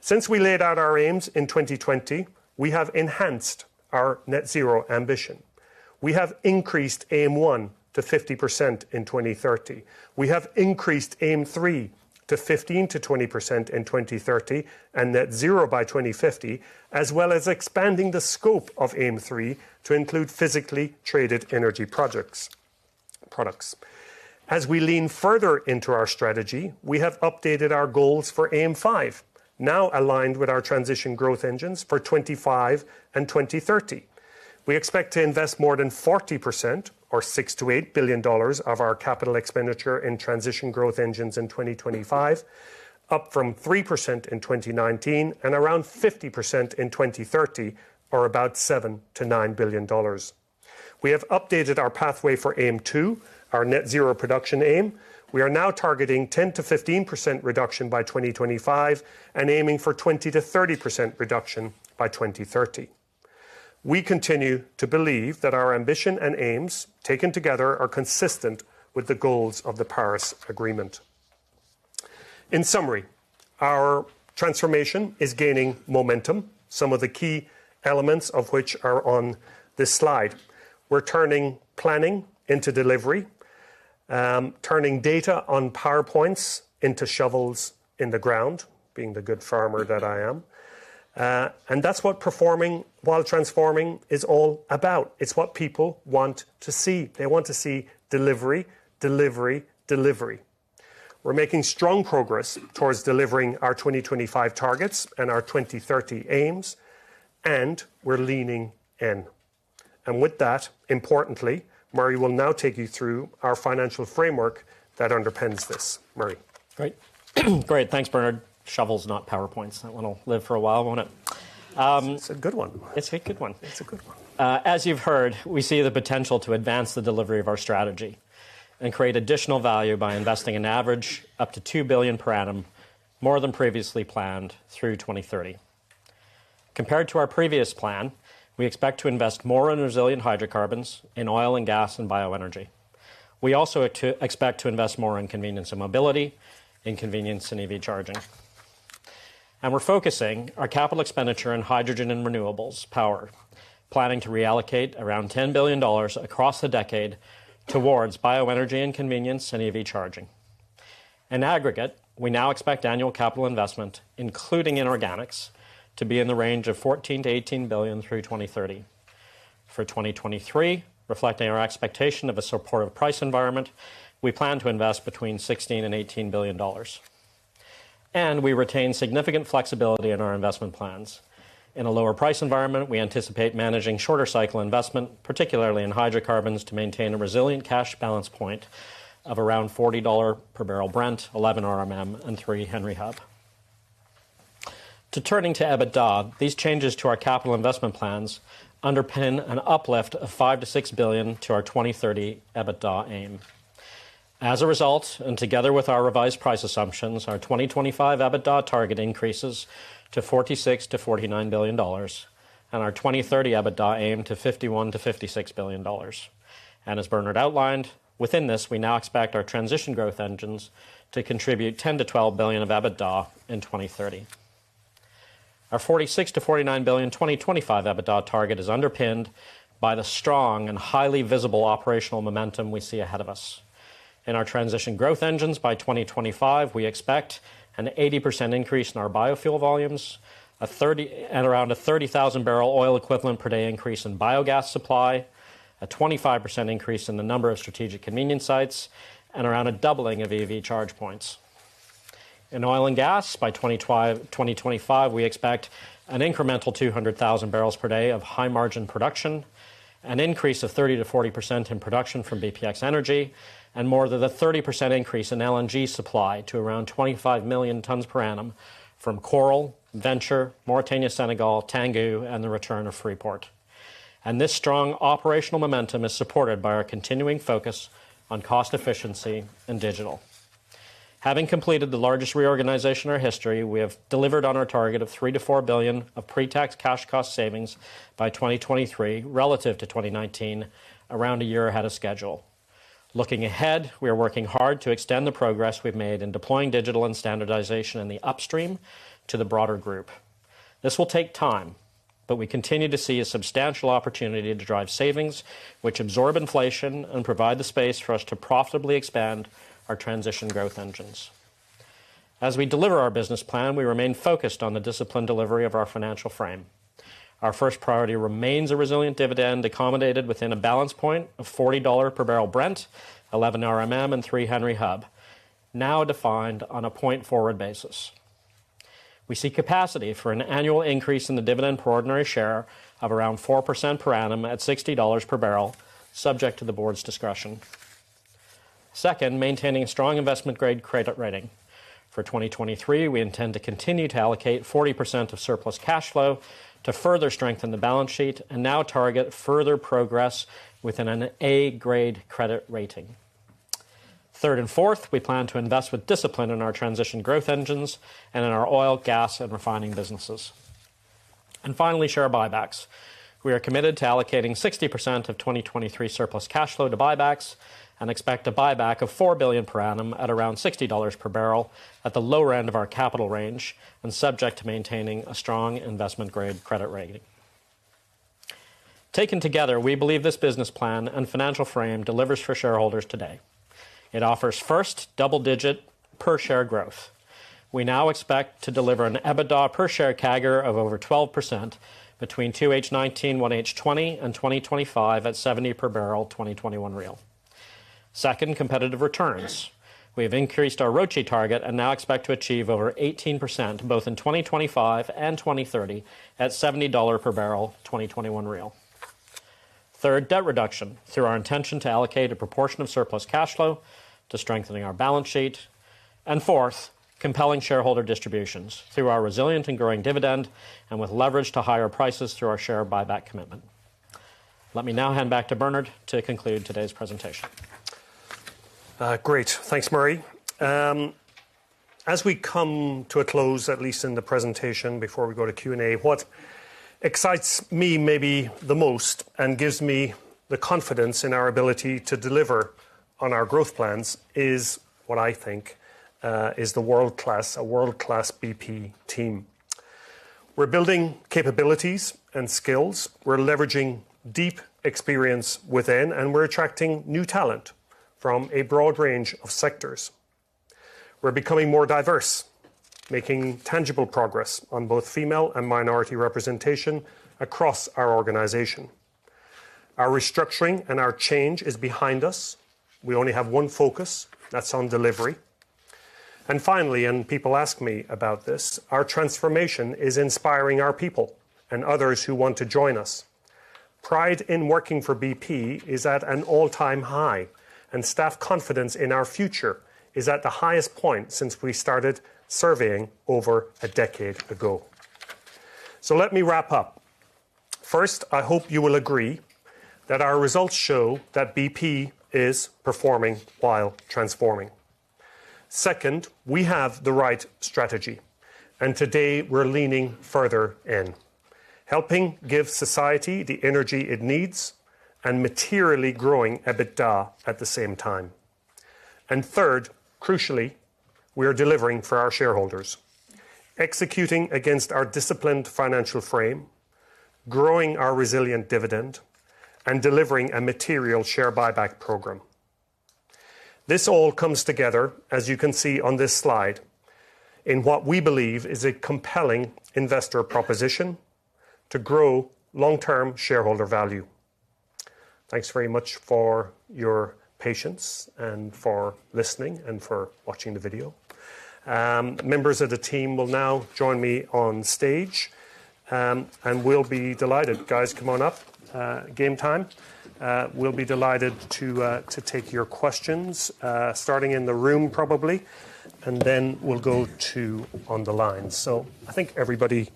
Since we laid out our aims in 2020, we have enhanced our net zero ambition. We have increased aim one to 50% in 2030. We have increased aim three to 15%-20% in 2030 and net zero by 2050, as well as expanding the scope of aim three to include physically traded energy products. As we lean further into our strategy, we have updated our goals for aim five, now aligned with our transition growth engines for 2025 and 2030. We expect to invest more than 40% or $6 billion-$8 billion of our capital expenditure in transition growth engines in 2025, up from 3% in 2019 and around 50% in 2030 or about $7 billion-$9 billion. We have updated our pathway for Aim 2, our net zero production aim. We are now targeting 10%-15% reduction by 2025 and aiming for 20%-30% reduction by 2030. We continue to believe that our ambition and aims taken together are consistent with the goals of the Paris Agreement. In summary. Our transformation is gaining momentum. Some of the key elements of which are on this slide. We're turning planning into delivery, turning data on PowerPoints into shovels in the ground, being the good farmer that I am. That's what performing while transforming is all about. It's what people want to see. They want to see delivery, delivery. We're making strong progress towards delivering our 2025 targets and our 2030 aims, and we're leaning in. With that, importantly, Murray will now take you through our financial framework that underpins this. Murray. Great. Thanks, Bernard. Shovels, not PowerPoints. That one will live for a while, won't it? It's a good one. It's a good one. It's a good one. As you've heard, we see the potential to advance the delivery of our strategy and create additional value by investing in average up to $2 billion per annum, more than previously planned through 2030. Compared to our previous plan, we expect to invest more in resilient hydrocarbons, in oil and gas and bioenergy. We also expect to invest more in convenience and mobility, in convenience and EV charging. We're focusing our capital expenditure in hydrogen and renewables power, planning to reallocate around $10 billion across the decade towards bioenergy and convenience and EV charging. In aggregate, we now expect annual capital investment, including in organics, to be in the range of $14 billion-$18 billion through 2030. For 2023, reflecting our expectation of a supportive price environment, we plan to invest between $16 billion and $18 billion. We retain significant flexibility in our investment plans. In a lower price environment, we anticipate managing shorter cycle investment, particularly in hydrocarbons, to maintain a resilient cash balance point of around $40 per barrel Brent, 11 RMM, and three Henry Hub. Turning to EBITDA, these changes to our capital investment plans underpin an uplift of $5 billion-$6 billion to our 2030 EBITDA aim. As a result, together with our revised price assumptions, our 2025 EBITDA target increases to $46 billion-$49 billion, and our 2030 EBITDA aim to $51 billion-$56 billion. As Bernard outlined, within this, we now expect our transition growth engines to contribute $10 billion-$12 billion of EBITDA in 2030. Our $46 billion-$49 billion 2025 EBITDA target is underpinned by the strong and highly visible operational momentum we see ahead of us. In our transition growth engines, by 2025, we expect an 80% increase in our biofuel volumes, at around a 30,000 barrel oil equivalent per day increase in biogas supply, a 25% increase in the number of strategic convenience sites, and around a doubling of EV charge points. In oil and gas, by 2025, we expect an incremental 200,000 barrels per day of high margin production, an increase of 30%-40% in production from bpx energy, and more than a 30% increase in LNG supply to around 25 million tons per annum from Coral, Venture, Mauritania-Senegal, Tango, and the return of Freeport. This strong operational momentum is supported by our continuing focus on cost efficiency and digital. Having completed the largest reorganization in our history, we have delivered on our target of $3 billion-$4 billion of pre-tax cash cost savings by 2023 relative to 2019, around a year ahead of schedule. Looking ahead, we are working hard to extend the progress we've made in deploying digital and standardization in the upstream to the broader group. This will take time, but we continue to see a substantial opportunity to drive savings which absorb inflation and provide the space for us to profitably expand our transition growth engines. As we deliver our business plan, we remain focused on the disciplined delivery of our financial frame. Our first priority remains a resilient dividend accommodated within a balance point of $40 per barrel Brent, 11 RMM, and three Henry Hub, now defined on a point-forward basis. We see capacity for an annual increase in the dividend per ordinary share of around 4% per annum at $60 per barrel, subject to the board's discretion. Second, maintaining a strong investment-grade credit rating. For 2023, we intend to continue to allocate 40% of surplus cash flow to further strengthen the balance sheet and now target further progress within an A grade credit rating. Third and fourth, we plan to invest with discipline in our transition growth engines and in our oil, gas, and refining businesses. Finally, share buybacks. We are committed to allocating 60% of 2023 surplus cash flow to buybacks and expect a buyback of $4 billion per annum at around $60 per barrel at the lower end of our capital range and subject to maintaining a strong investment-grade credit rating. Taken together, we believe this business plan and financial frame delivers for shareholders today. It offers first double-digit per share growth. We now expect to deliver an EBITDA per share CAGR of over 12% between 2H 2019, 1H 2020 and 2025 at $70 per barrel, 2021 real. Second, competitive returns. We have increased our ROCE target and now expect to achieve over 18% both in 2025 and 2030 at $70 per barrel, 2021 real. Third, debt reduction through our intention to allocate a proportion of surplus cash flow to strengthening our balance sheet. Fourth, compelling shareholder distributions through our resilient and growing dividend and with leverage to higher prices through our share buyback commitment. Let me now hand back to Bernard to conclude today's presentation. Great. Thanks, Murray. As we come to a close, at least in the presentation before we go to Q&A, what excites me maybe the most and gives me the confidence in our ability to deliver on our growth plans is what I think is the world-class BP team. We're building capabilities and skills, we're leveraging deep experience within, and we're attracting new talent from a broad range of sectors. We're becoming more diverse, making tangible progress on both female and minority representation across our organization. Our restructuring and our change is behind us. We only have one focus, that's on delivery. Finally, and people ask me about this, our transformation is inspiring our people and others who want to join us. Pride in working for BP is at an all-time high, and staff confidence in our future is at the highest point since we started surveying over a decade ago. Let me wrap up. First, I hope you will agree that our results show that BP is performing while transforming. Second, we have the right strategy, and today we're leaning further in, helping give society the energy it needs and materially growing EBITDA at the same time. Third, crucially, we are delivering for our shareholders, executing against our disciplined financial frame, growing our resilient dividend, and delivering a material share buyback program. This all comes together, as you can see on this slide, in what we believe is a compelling investor proposition to grow long-term shareholder value. Thanks very much for your patience and for listening and for watching the video. Members of the team will now join me on stage, we'll be delighted. Guys, come on up. Game time. We'll be delighted to take your questions, starting in the room probably, then we'll go to on the line. I think everybody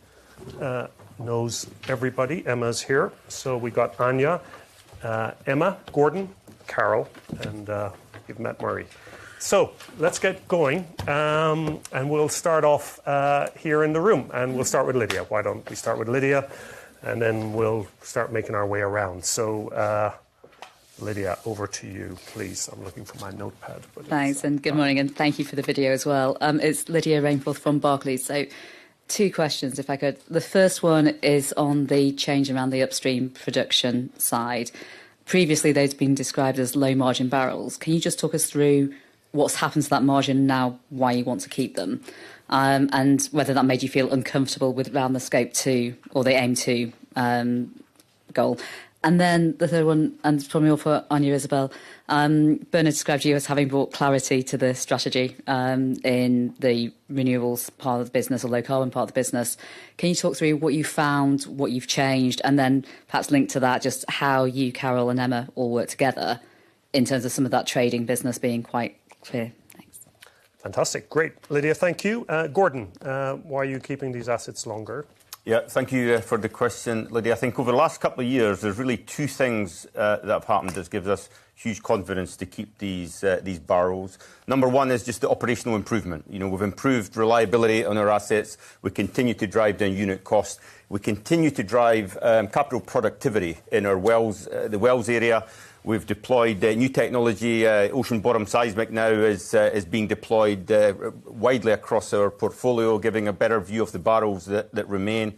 knows everybody. Emma's here. We got Anja, Emma, Gordon, Carol, you've met Murray. Let's get going, we'll start off here in the room, we'll start with Lydia. Why don't we start with Lydia, then we'll start making our way around. Lydia, over to you, please. I'm looking for my notepad. Thanks, good morning, and thank you for the video as well. It's Lydia Rainforth from Barclays. Two questions, if I could. The first one is on the change around the upstream production side. Previously, those have been described as low-margin barrels. Can you just talk us through what's happened to that margin now, why you want to keep them? And whether that made you feel uncomfortable with around the Scope 2 or the Aim 2 goal? The third one, and this one is for Anja-Isabel. Bernard described you as having brought clarity to the strategy, in the renewables part of the business or low carbon part of the business. Can you talk through what you found, what you've changed, and then perhaps link to that just how you, Carol, and Emma all work together in terms of some of that trading business being quite clear? Thanks. Fantastic. Great. Lydia, thank you. Gordon, why are you keeping these assets longer? Yeah. Thank you for the question, Lydia. I think over the last couple of years, there's really two things that have happened that gives us huge confidence to keep these barrels. Number one is just the operational improvement. You know, we've improved reliability on our assets. We continue to drive down unit costs. We continue to drive capital productivity in our wells, the wells area. We've deployed new technology, ocean bottom seismic now is being deployed widely across our portfolio, giving a better view of the barrels that remain.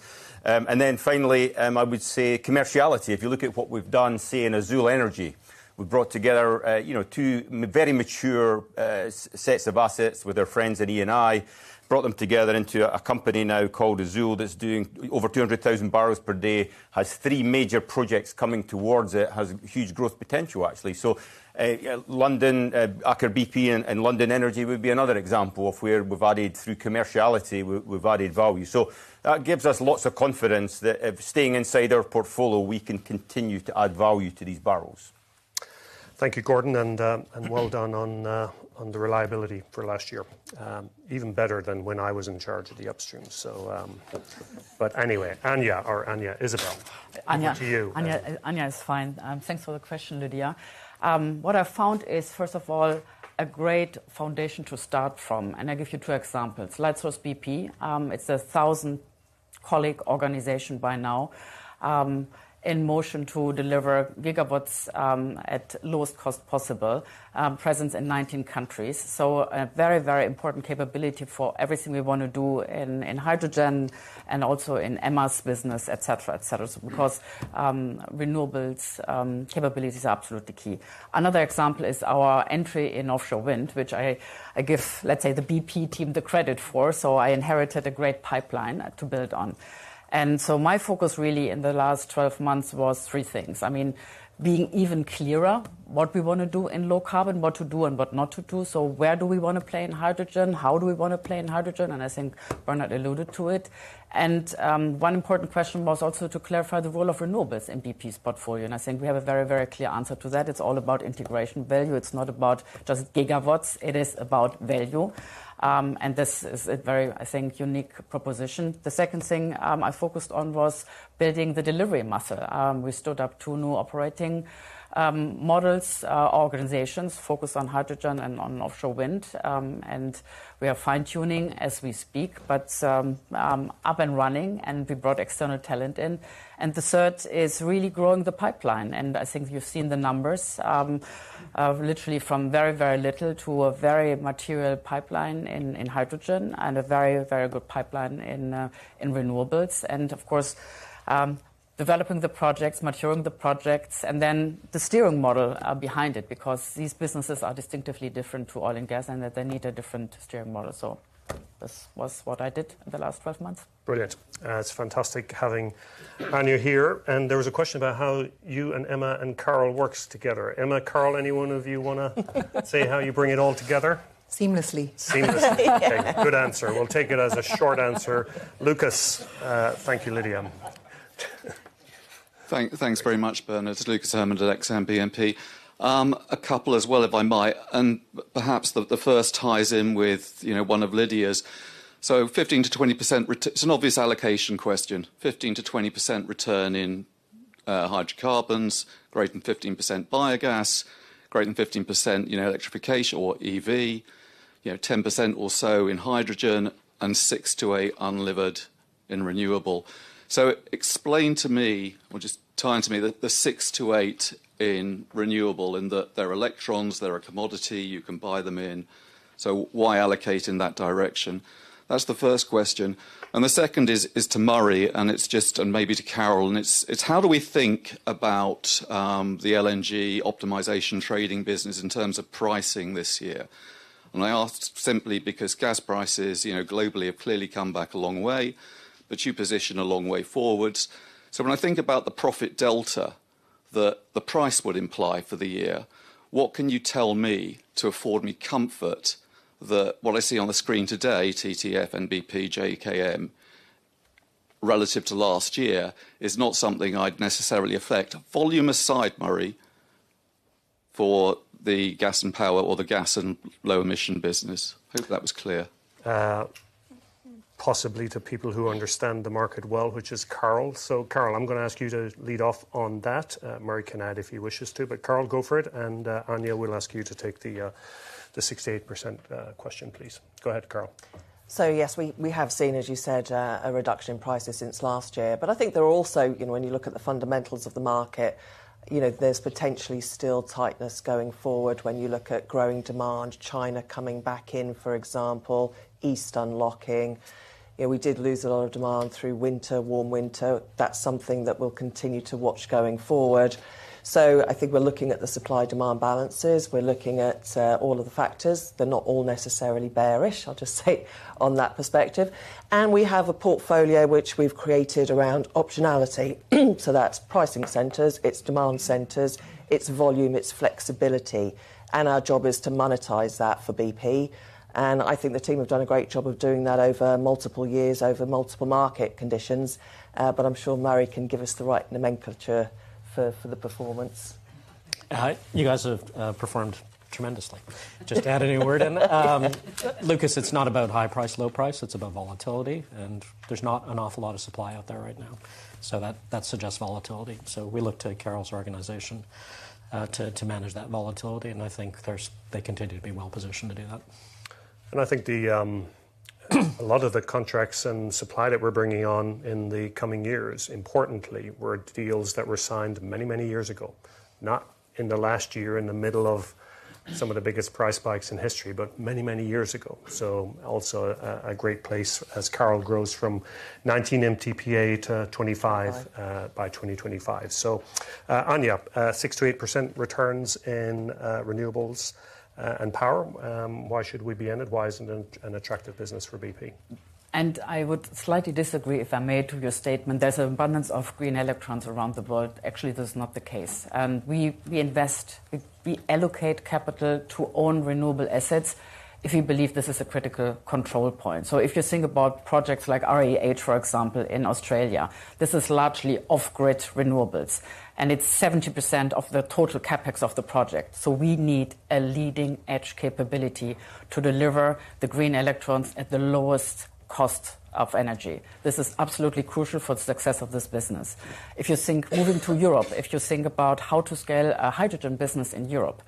Finally, I would say commerciality. If you look at what we've done, say, in Azule Energy, we've brought together, you know, two very mature, sets of assets with our friends at Eni, brought them together into a company now called Azule, that's doing over 200,000 barrels per day, has three major projects coming towards it, has huge growth potential, actually. Aker BP and Lundin Energy would be another example of where we've added, through commerciality, we've added value. That gives us lots of confidence that if staying inside our portfolio, we can continue to add value to these barrels. Thank you, Gordon, and well done on the reliability for last year. Even better than when I was in charge of the upstream. Anyway, Anja or Anja-Isabel. Anja over to you. Anja is fine. Thanks for the question, Lydia. What I found is, first of all, a great foundation to start from, I give you two examples. Lightsource bp, it's a 1,000-colleague organization by now, in motion to deliver gigawatts, at lowest cost possible, presence in 19 countries. A very, very important capability for everything we wanna do in hydrogen and also in Emma's business, et cetera, et cetera. Because renewables capabilities are absolutely key. Another example is our entry in offshore wind, which I give, let's say, the bp team the credit for. I inherited a great pipeline to build on. My focus really in the last 12 months was three things. I mean, being even clearer what we wanna do in low carbon, what to do and what not to do. Where do we wanna play in hydrogen? How do we wanna play in hydrogen? I think Bernard alluded to it. One important question was also to clarify the role of renewables in BP's portfolio, and I think we have a very, very clear answer to that. It's all about integration value. It's not about just gigawatts, it is about value. This is a very, I think, unique proposition. The second thing, I focused on was building the delivery muscle. We stood up two new operating models, organizations focused on hydrogen and on offshore wind. We are fine-tuning as we speak, but up and running, and we brought external talent in. The third is really growing the pipeline. I think you've seen the numbers, literally from very, very little to a very material pipeline in hydrogen and a very, very good pipeline in renewables. Of course, developing the projects, maturing the projects, and then the steering model behind it, because these businesses are distinctively different to oil and gas and that they need a different steering model. This was what I did in the last 12 months. Brilliant. It's fantastic having Anja here. There was a question about how you and Emma and Carol works together. Emma, Carol, anyone of you wanna say how you bring it all together? Seamlessly. Seamlessly. Okay. Good answer. We'll take it as a short answer. Lucas, thank you, Lydia. Thanks very much, Bernard. It's Lucas Herrmann at Exane BNP. A couple as well, if I might, and perhaps the first ties in with, you know, one of Lydia's. 15%-20% It's an obvious allocation question. 15%-20% return in hydrocarbons. Greater than 15% biogas. Greater than 15%, you know, electrification or EV. You know, 10% or so in hydrogen, and six to eight unlevered in renewable. Explain to me, or just tie in to me the six to eight in renewable, in that they're electrons, they're a commodity, you can buy them in. Why allocate in that direction? That's the first question. The second is to Murray, and maybe to Carol. It's how do we think about the LNG optimization trading business in terms of pricing this year? I ask simply because gas prices, you know, globally have clearly come back a long way, but you position a long way forwards. When I think about the profit delta that the price would imply for the year, what can you tell me to afford me comfort that what I see on the screen today, TTF, NBP, JKM, relative to last year, is not something I'd necessarily affect, volume aside, Murray, for the gas and power or the gas and low emission business? Hope that was clear. Possibly to people who understand the market well, which is Carol. Carol, I'm going to ask you to lead off on that. Murray can add if he wishes to. Carol, go for it, and Anja, we'll ask you to take the 6%-8% question, please. Go ahead, Carol. Yes, we have seen, as you said, a reduction in prices since last year. I think there are also, you know, when you look at the fundamentals of the market, you know, there's potentially still tightness going forward when you look at growing demand, China coming back in, for example, East unlocking. You know, we did lose a lot of demand through winter, warm winter. That's something that we'll continue to watch going forward. I think we're looking at the supply demand balances. We're looking at all of the factors. They're not all necessarily bearish, I'll just say on that perspective. We have a portfolio which we've created around optionality. That's pricing centers, it's demand centers, it's volume, it's flexibility. Our job is to monetize that for BP. I think the team have done a great job of doing that over multiple years, over multiple market conditions. I'm sure Murray can give us the right nomenclature for the performance. Hi. You guys have performed tremendously. Just adding a word in. Lucas, it's not about high price, low price, it's about volatility, and there's not an awful lot of supply out there right now. That suggests volatility. We look to Carol's organization, to manage that volatility, and I think they continue to be well positioned to do that. I think the, a lot of the contracts and supply that we're bringing on in the coming years, importantly, were deals that were signed many, many years ago. Not in the last year, in the middle of some of the biggest price spikes in history, but many, many years ago. So also a great place as Carol grows from 19 MTPA to 25- Twenty-five by 2025. Anja, 6%-8% returns in renewables and power, why should we be in it? Why is it an attractive business for BP? I would slightly disagree, if I may, to your statement. There's an abundance of green electrons around the world. Actually, that's not the case. We invest, we allocate capital to own renewable assets if we believe this is a critical control point. If you think about projects like AREH, for example, in Australia, this is largely off-grid renewables, and it's 70% of the total CapEx of the project. We need a leading-edge capability to deliver the green electrons at the lowest cost of energy. This is absolutely crucial for the success of this business. If you think moving to Europe, if you think about how to scale a hydrogen business in Europe,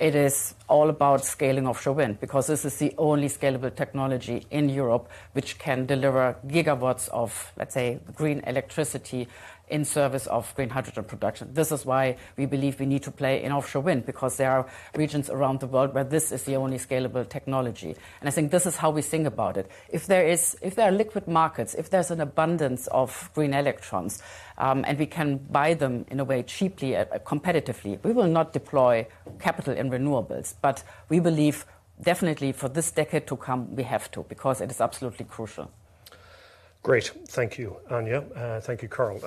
it is all about scaling offshore wind, because this is the only scalable technology in Europe which can deliver gigawatts of, let's say, green electricity in service of green hydrogen production. This is why we believe we need to play in offshore wind, because there are regions around the world where this is the only scalable technology. I think this is how we think about it. If there are liquid markets, if there's an abundance of green electrons, and we can buy them in a way cheaply, competitively, we will not deploy capital in renewables. We believe definitely for this decade to come, we have to, because it is absolutely crucial. Great. Thank you, Anja. Thank you, Carol.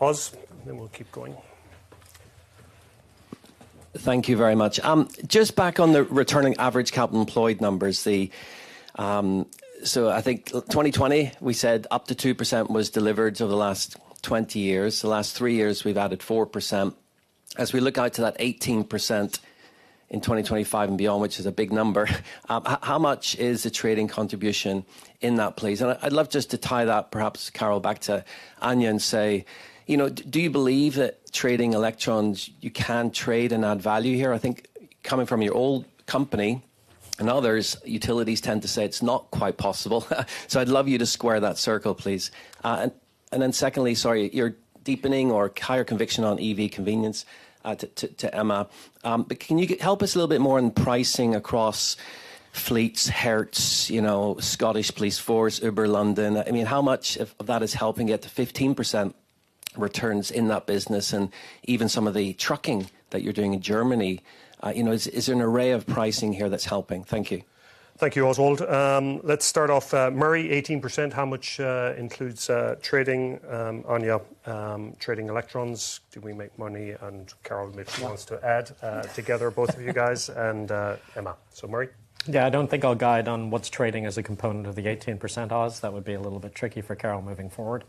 Oz, then we'll keep going. Thank you very much. Just back on the returning average capital employed numbers. I think 2020, we said up to 2% was delivered over the last 20 years. The last three years, we've added 4%. As we look out to that 18% in 2025 and beyond, which is a big number, how much is the trading contribution in that, please? I'd love just to tie that perhaps, Carol, back to Anja and say, you know, do you believe that trading electrons, you can trade and add value here? I think coming from your old company and others, utilities tend to say it's not quite possible. I'd love you to square that circle, please. Secondly, sorry, your deepening or higher conviction on EV convenience to Emma. Can you help us a little bit more on pricing across fleets, Hertz, you know, Scottish Police Force, Uber London? I mean, how much of that is helping get to 15%?... returns in that business and even some of the trucking that you're doing in Germany. you know, is there an array of pricing here that's helping? Thank you. Thank you, Oswald. Let's start off, Murray, 18%, how much includes trading on your trading electrons? Do we make money? Carol, if she wants to add together both of you guys and Emma. Murray. Yeah. I don't think I'll guide on what's trading as a component of the 18%, Oz. That would be a little bit tricky for Carol moving forward.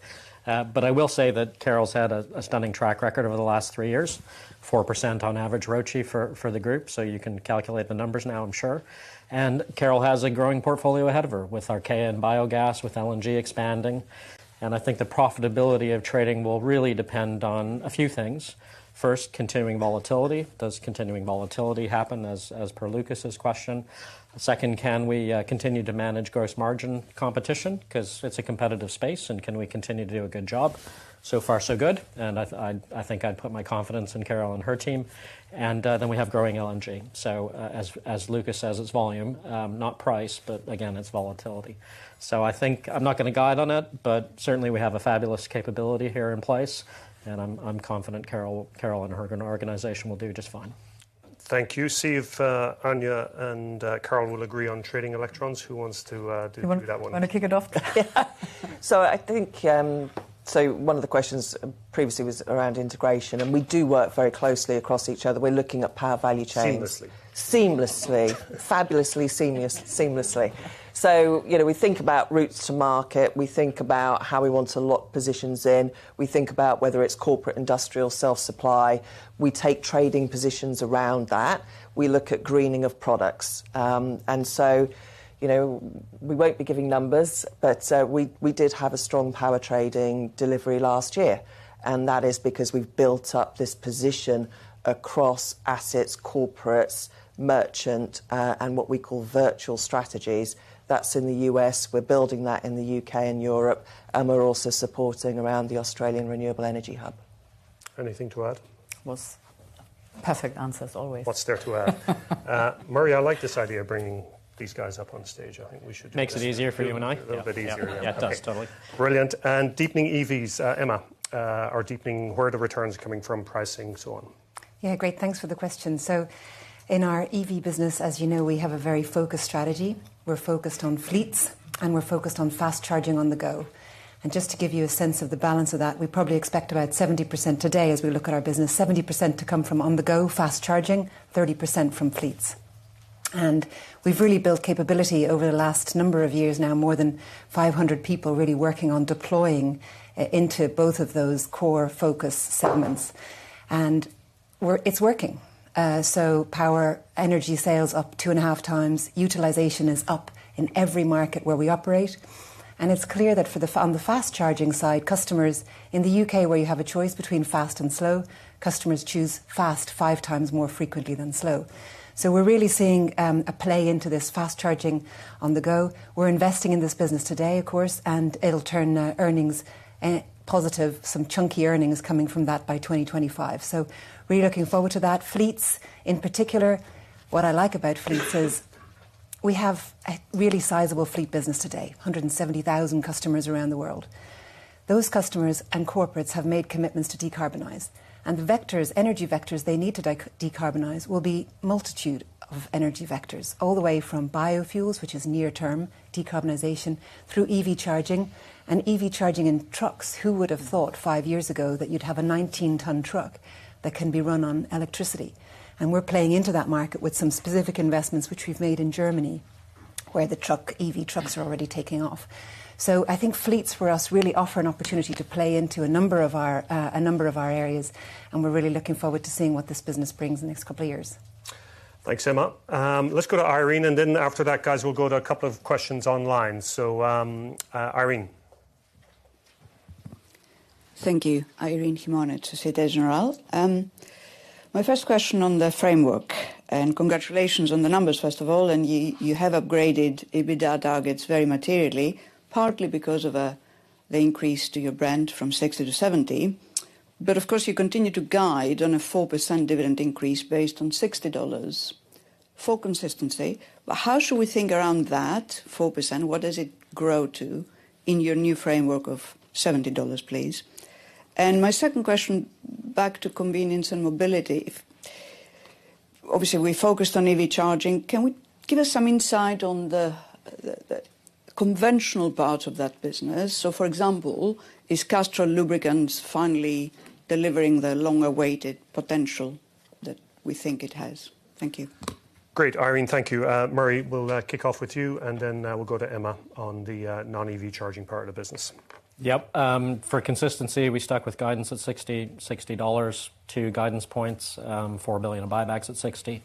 I will say that Carol's had a stunning track record over the last three years. 4% on average ROACE for the group, you can calculate the numbers now, I'm sure. Carol has a growing portfolio ahead of her with Archaea and Biogas, with LNG expanding, and I think the profitability of trading will really depend on a few things. First, continuing volatility. Does continuing volatility happen as per Lucas's question? Second, can we continue to manage gross margin competition? 'Cause it's a competitive space, and can we continue to do a good job? So far so good, and I think I'd put my confidence in Carol and her team. We have growing LNG. As Lucas says, it's volume, not price, but again, it's volatility. I think I'm not gonna guide on it, but certainly we have a fabulous capability here in place, and I'm confident Carol and her organization will do just fine. Thank you. See if Anja and Carol will agree on trading electrons. Who wants to do that one? Wanna kick it off? I think, so one of the questions previously was around integration, and we do work very closely across each other. We're looking at power value chains. Seamlessly. Seamlessly. Fabulously seamlessly. You know, we think about routes to market. We think about how we want to lock positions in. We think about whether it's corporate, industrial, self-supply. We take trading positions around that. We look at greening of products. You know, we won't be giving numbers, but we did have a strong power trading delivery last year, and that is because we've built up this position across assets, corporates, merchant, and what we call virtual strategies. That's in the U.S. We're building that in the U.K. and Europe, we're also supporting around the Australian Renewable Energy Hub. Anything to add? Perfect answers always. What's there to add? Murray, I like this idea of bringing these guys up on stage. I think we should do this. Makes it easier for you and I. A little bit easier, yeah. Yeah, it does. Totally. Brilliant. Deepening EVs, Emma, or deepening where the returns are coming from, pricing, so on. Yeah. Great. Thanks for the question. In our EV business, as you know, we have a very focused strategy. We're focused on fleets, and we're focused on fast charging on the go. Just to give you a sense of the balance of that, we probably expect about 70% today as we look at our business, 70% to come from on-the-go fast charging, 30% from fleets. We've really built capability over the last number of years now, more than 500 people really working on deploying into both of those core focus segments. It's working. Power, energy sales up 2.5x. Utilization is up in every market where we operate. It's clear that on the fast charging side, customers in the U.K. where you have a choice between fast and slow, customers choose fast 5x more frequently than slow. We're really seeing a play into this fast charging on the go. We're investing in this business today, of course, and it'll turn earnings positive, some chunky earnings coming from that by 2025. Really looking forward to that. Fleets, in particular, what I like about fleets is we have a really sizable fleet business today, 170,000 customers around the world. Those customers and corporates have made commitments to decarbonize. The vectors, energy vectors they need to decarbonize will be multitude of energy vectors, all the way from biofuels, which is near term decarbonization, through EV charging and EV charging in trucks. Who would have thought five years ago that you'd have a 19 ton truck that can be run on electricity? We're playing into that market with some specific investments which we've made in Germany, where EV trucks are already taking off. I think fleets for us really offer an opportunity to play into a number of our, a number of our areas, and we're really looking forward to seeing what this business brings the next couple of years. Thanks, Emma. Let's go to Irene, and then after that, guys, we'll go to a couple of questions online. Irene. Thank you. Irene Himona to Société Générale. My first question on the framework, congratulations on the numbers, first of all, you have upgraded EBITDA targets very materially, partly because of the increase to your Brent from 60 to 70. Of course, you continue to guide on a 4% dividend increase based on $60 for consistency. How should we think around that 4%? What does it grow to in your new framework of $70, please? My second question back to convenience and mobility. Obviously, we focused on EV charging. Give us some insight on the conventional part of that business. For example, is Castrol lubricants finally delivering the long-awaited potential that we think it has? Thank you. Great, Irene. Thank you. Murray, we'll kick off with you, and then we'll go to Emma on the non-EV charging part of the business. Yep. For consistency, we stuck with guidance at 60, $60, 2 guidance points, $4 billion in buybacks at 60,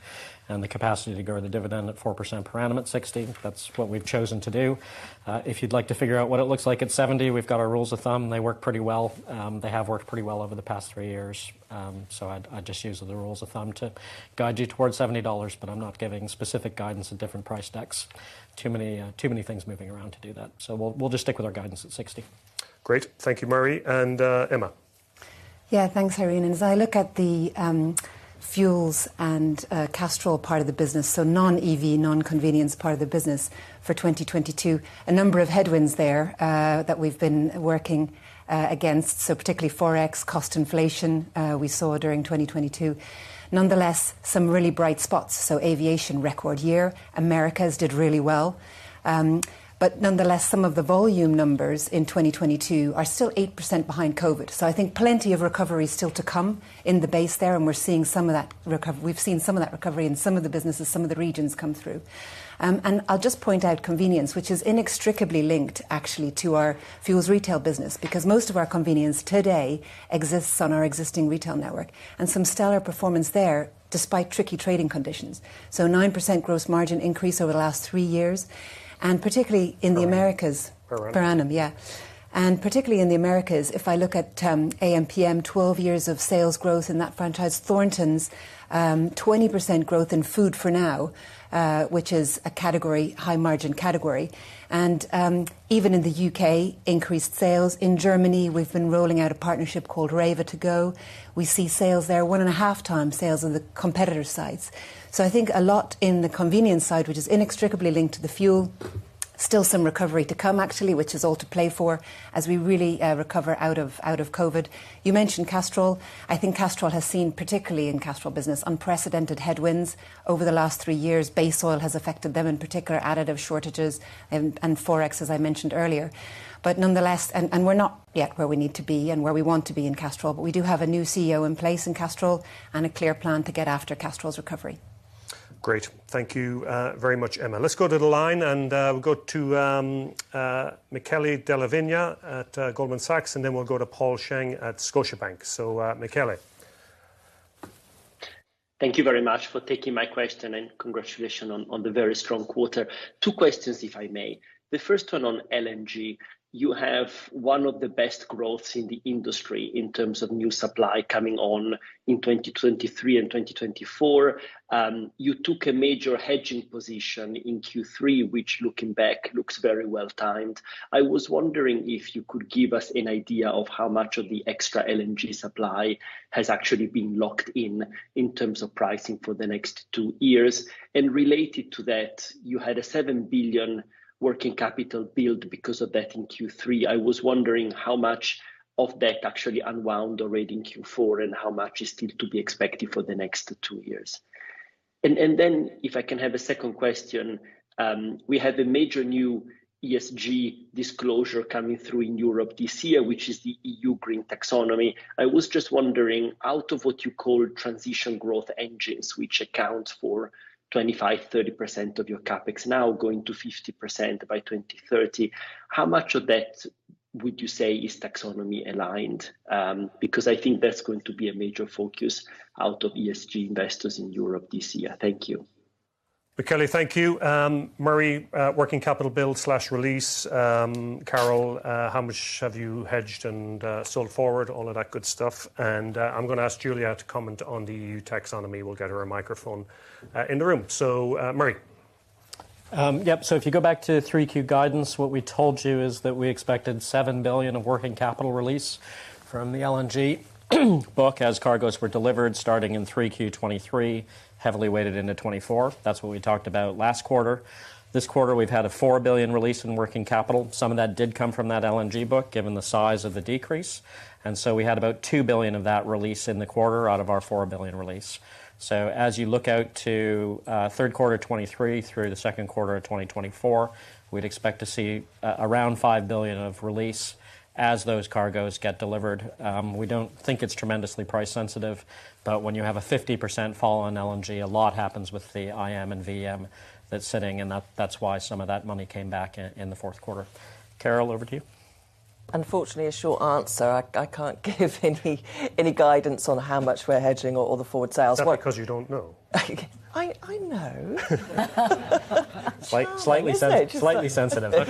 and the capacity to grow the dividend at 4% per annum at 60. That's what we've chosen to do. If you'd like to figure out what it looks like at 70, we've got our rules of thumb. They work pretty well. They have worked pretty well over the past three years. I'd just use the rules of thumb to guide you towards $70, but I'm not giving specific guidance at different price decks. Too many things moving around to do that. We'll just stick with our guidance at 60. Great. Thank you, Murray. And Emma. Yeah, thanks, Irene. As I look at the fuels and Castrol part of the business, non-EV, non-convenience part of the business for 2022, a number of headwinds there that we've been working against, particularly Forex, cost inflation, we saw during 2022. Nonetheless, some really bright spots, so aviation record year. Americas did really well. Nonetheless, some of the volume numbers in 2022 are still 8% behind COVID. I think plenty of recovery still to come in the base there, and we've seen some of that recovery in some of the businesses, some of the regions come through. I'll just point out convenience, which is inextricably linked actually to our fuels retail business. Most of our convenience today exists on our existing retail network, and some stellar performance there, despite tricky trading conditions. 9% gross margin increase over the last three years, and particularly in the Americas. Per annum. Per annum, yeah. Particularly in the Americas, if I look at ampm, 12 years of sales growth in that franchise. Thorntons, 20% growth in food for now, which is a category, high-margin category. Even in the U.K., increased sales. In Germany, we've been rolling out a partnership called REWE To Go. We see sales there, one and a half times sales of the competitor sites. I think a lot in the convenience side, which is inextricably linked to the fuel, still some recovery to come actually, which is all to play for as we really recover out of, out of COVID. You mentioned Castrol. I think Castrol has seen, particularly in Castrol business, unprecedented headwinds over the last three years. Base oil has affected them, in particular additive shortages and Forex, as I mentioned earlier. Nonetheless, and we're not yet where we need to be and where we want to be in Castrol, but we do have a new CEO in place in Castrol and a clear plan to get after Castrol's recovery. Great. Thank you, very much, Emma. Let's go to the line, and we'll go to Michele Della Vigna at Goldman Sachs, and then we'll go to Paul Cheng at Scotiabank. Michele. Thank you very much for taking my question, and congratulations on the very strong quarter. Two questions, if I may. The first one on LNG. You have one of the best growths in the industry in terms of new supply coming on in 2023 and 2024. You took a major hedging position in Q3, which looking back, looks very well timed. I was wondering if you could give us an idea of how much of the extra LNG supply has actually been locked in in terms of pricing for the next two years. Related to that, you had a $7 billion working capital build because of that in Q3. I was wondering how much of that actually unwound already in Q4, and how much is still to be expected for the next two years. If I can have a second question, we had a major new ESG disclosure coming through in Europe this year, which is the EU Green Taxonomy. I was just wondering, out of what you call transition growth engines, which accounts for 25%, 30% of your CapEx now going to 50% by 2030, how much of that would you say is Taxonomy aligned? Because I think that's going to be a major focus out of ESG investors in Europe this year. Thank you. Michele, thank you. Murray, working capital build/release, Carol, how much have you hedged and sold forward, all of that good stuff. I'm gonna ask Julia to comment on the EU Taxonomy. We'll get her a microphone in the room. Murray. Yep. If you go back to 3Q guidance, what we told you is that we expected $7 billion of working capital release from the LNG book as cargoes were delivered starting in 3Q 2023, heavily weighted into 2024. That's what we talked about last quarter. This quarter, we've had a $4 billion release in working capital. Some of that did come from that LNG book, given the size of the decrease. We had about $2 billion of that release in the quarter out of our $4 billion release. As you look out to third quarter 2023 through the second quarter of 2024, we'd expect to see around $5 billion of release as those cargoes get delivered. We don't think it's tremendously price sensitive, but when you have a 50% fall on LNG, a lot happens with the IM and VM that's sitting, and that's why some of that money came back in the fourth quarter. Carol, over to you. Unfortunately, a short answer. I can't give any guidance on how much we're hedging or the forward sales. Is that because you don't know? I know. Slightly sensitive.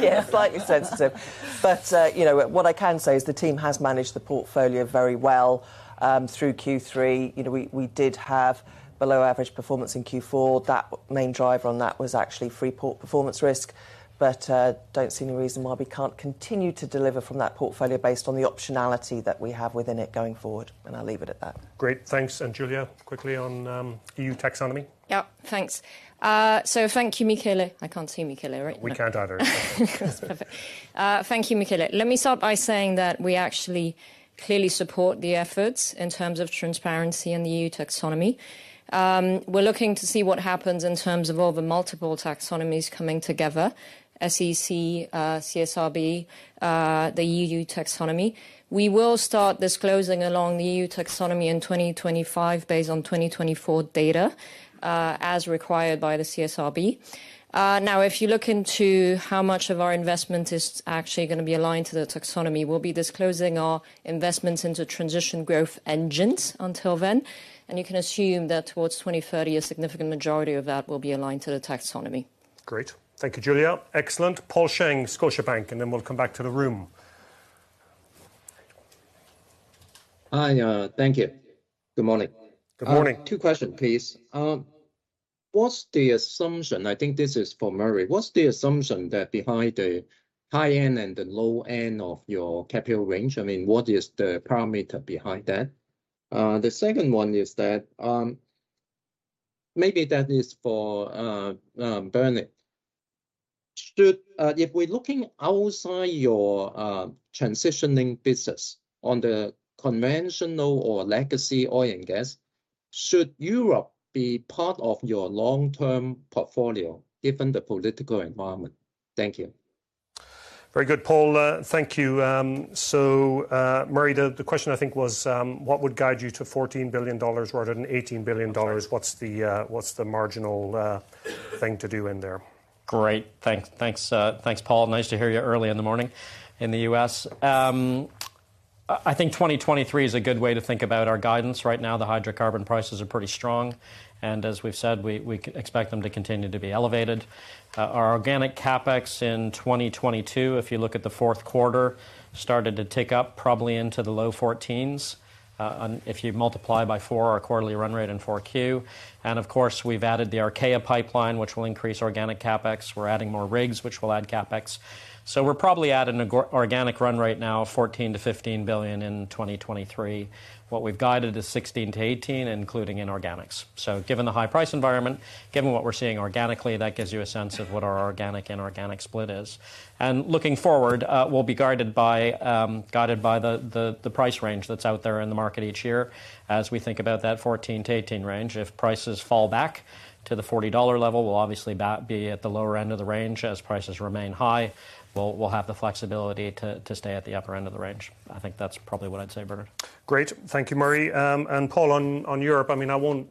Yeah, slightly sensitive. You know, what I can say is the team has managed the portfolio very well, through Q3. You know, we did have below average performance in Q4. That main driver on that was actually free port performance risk. Don't see any reason why we can't continue to deliver from that portfolio based on the optionality that we have within it going forward, and I'll leave it at that. Great. Thanks. Julia, quickly on, EU Taxonomy. Yep. Thanks. Thank you, Michele. I can't see Michele, right? We can't either. That's perfect. thank you, Michele. Let me start by saying that we actually clearly support the efforts in terms of transparency in the EU Taxonomy. we're looking to see what happens in terms of all the multiple taxonomies coming together, SEC, CSRD, the EU Taxonomy. We will start disclosing along the EU Taxonomy in 2025 based on 2024 data, as required by the CSRD. now, if you look into how much of our investment is actually gonna be aligned to the taxonomy, we'll be disclosing our investments into transition growth engines until then. You can assume that towards 2030, a significant majority of that will be aligned to the taxonomy. Great. Thank you, Julia. Excellent. Paul Cheng, Scotiabank. Then we'll come back to the room. Hi, thank you. Good morning. Good morning. 2 questions, please. What's the assumption, I think this is for Murray, what's the assumption that behind the high end and the low end of your capital range? I mean, what is the parameter behind that? The second one is that, maybe that is for Bernard. Should, if we're looking outside your transitioning business on the conventional or legacy oil and gas, should Europe be part of your long-term portfolio given the political environment? Thank you. Very good, Paul. Thank you. Murray, the question I think was, what would guide you to $14 billion rather than $18 billion? That's right. What's the marginal thing to do in there? Great. Thanks, Paul. Nice to hear you early in the morning in the U.S. I think 2023 is a good way to think about our guidance right now. The hydrocarbon prices are pretty strong, as we've said, we expect them to continue to be elevated. Our organic CapEx in 2022, if you look at the fourth quarter, started to tick up probably into the low 14s, and if you multiply by 4 our quarterly run rate in 4Q. Of course, we've added the Archaea pipeline, which will increase organic CapEx. We're adding more rigs, which will add CapEx. We're probably at an organic run rate now of $14 billion-$15 billion in 2023. What we've guided is $16 billion-$18 billion, including inorganics. Given the high price environment, given what we're seeing organically, that gives you a sense of what our organic inorganic split is. Looking forward, we'll be guided by the price range that's out there in the market each year as we think about that 14-18 range. If prices fall back to the $40 level, we'll obviously that be at the lower end of the range. As prices remain high, we'll have the flexibility to stay at the upper end of the range. I think that's probably what I'd say, Bernard. Great. Thank you, Murray. Paul, on Europe, I mean, I won't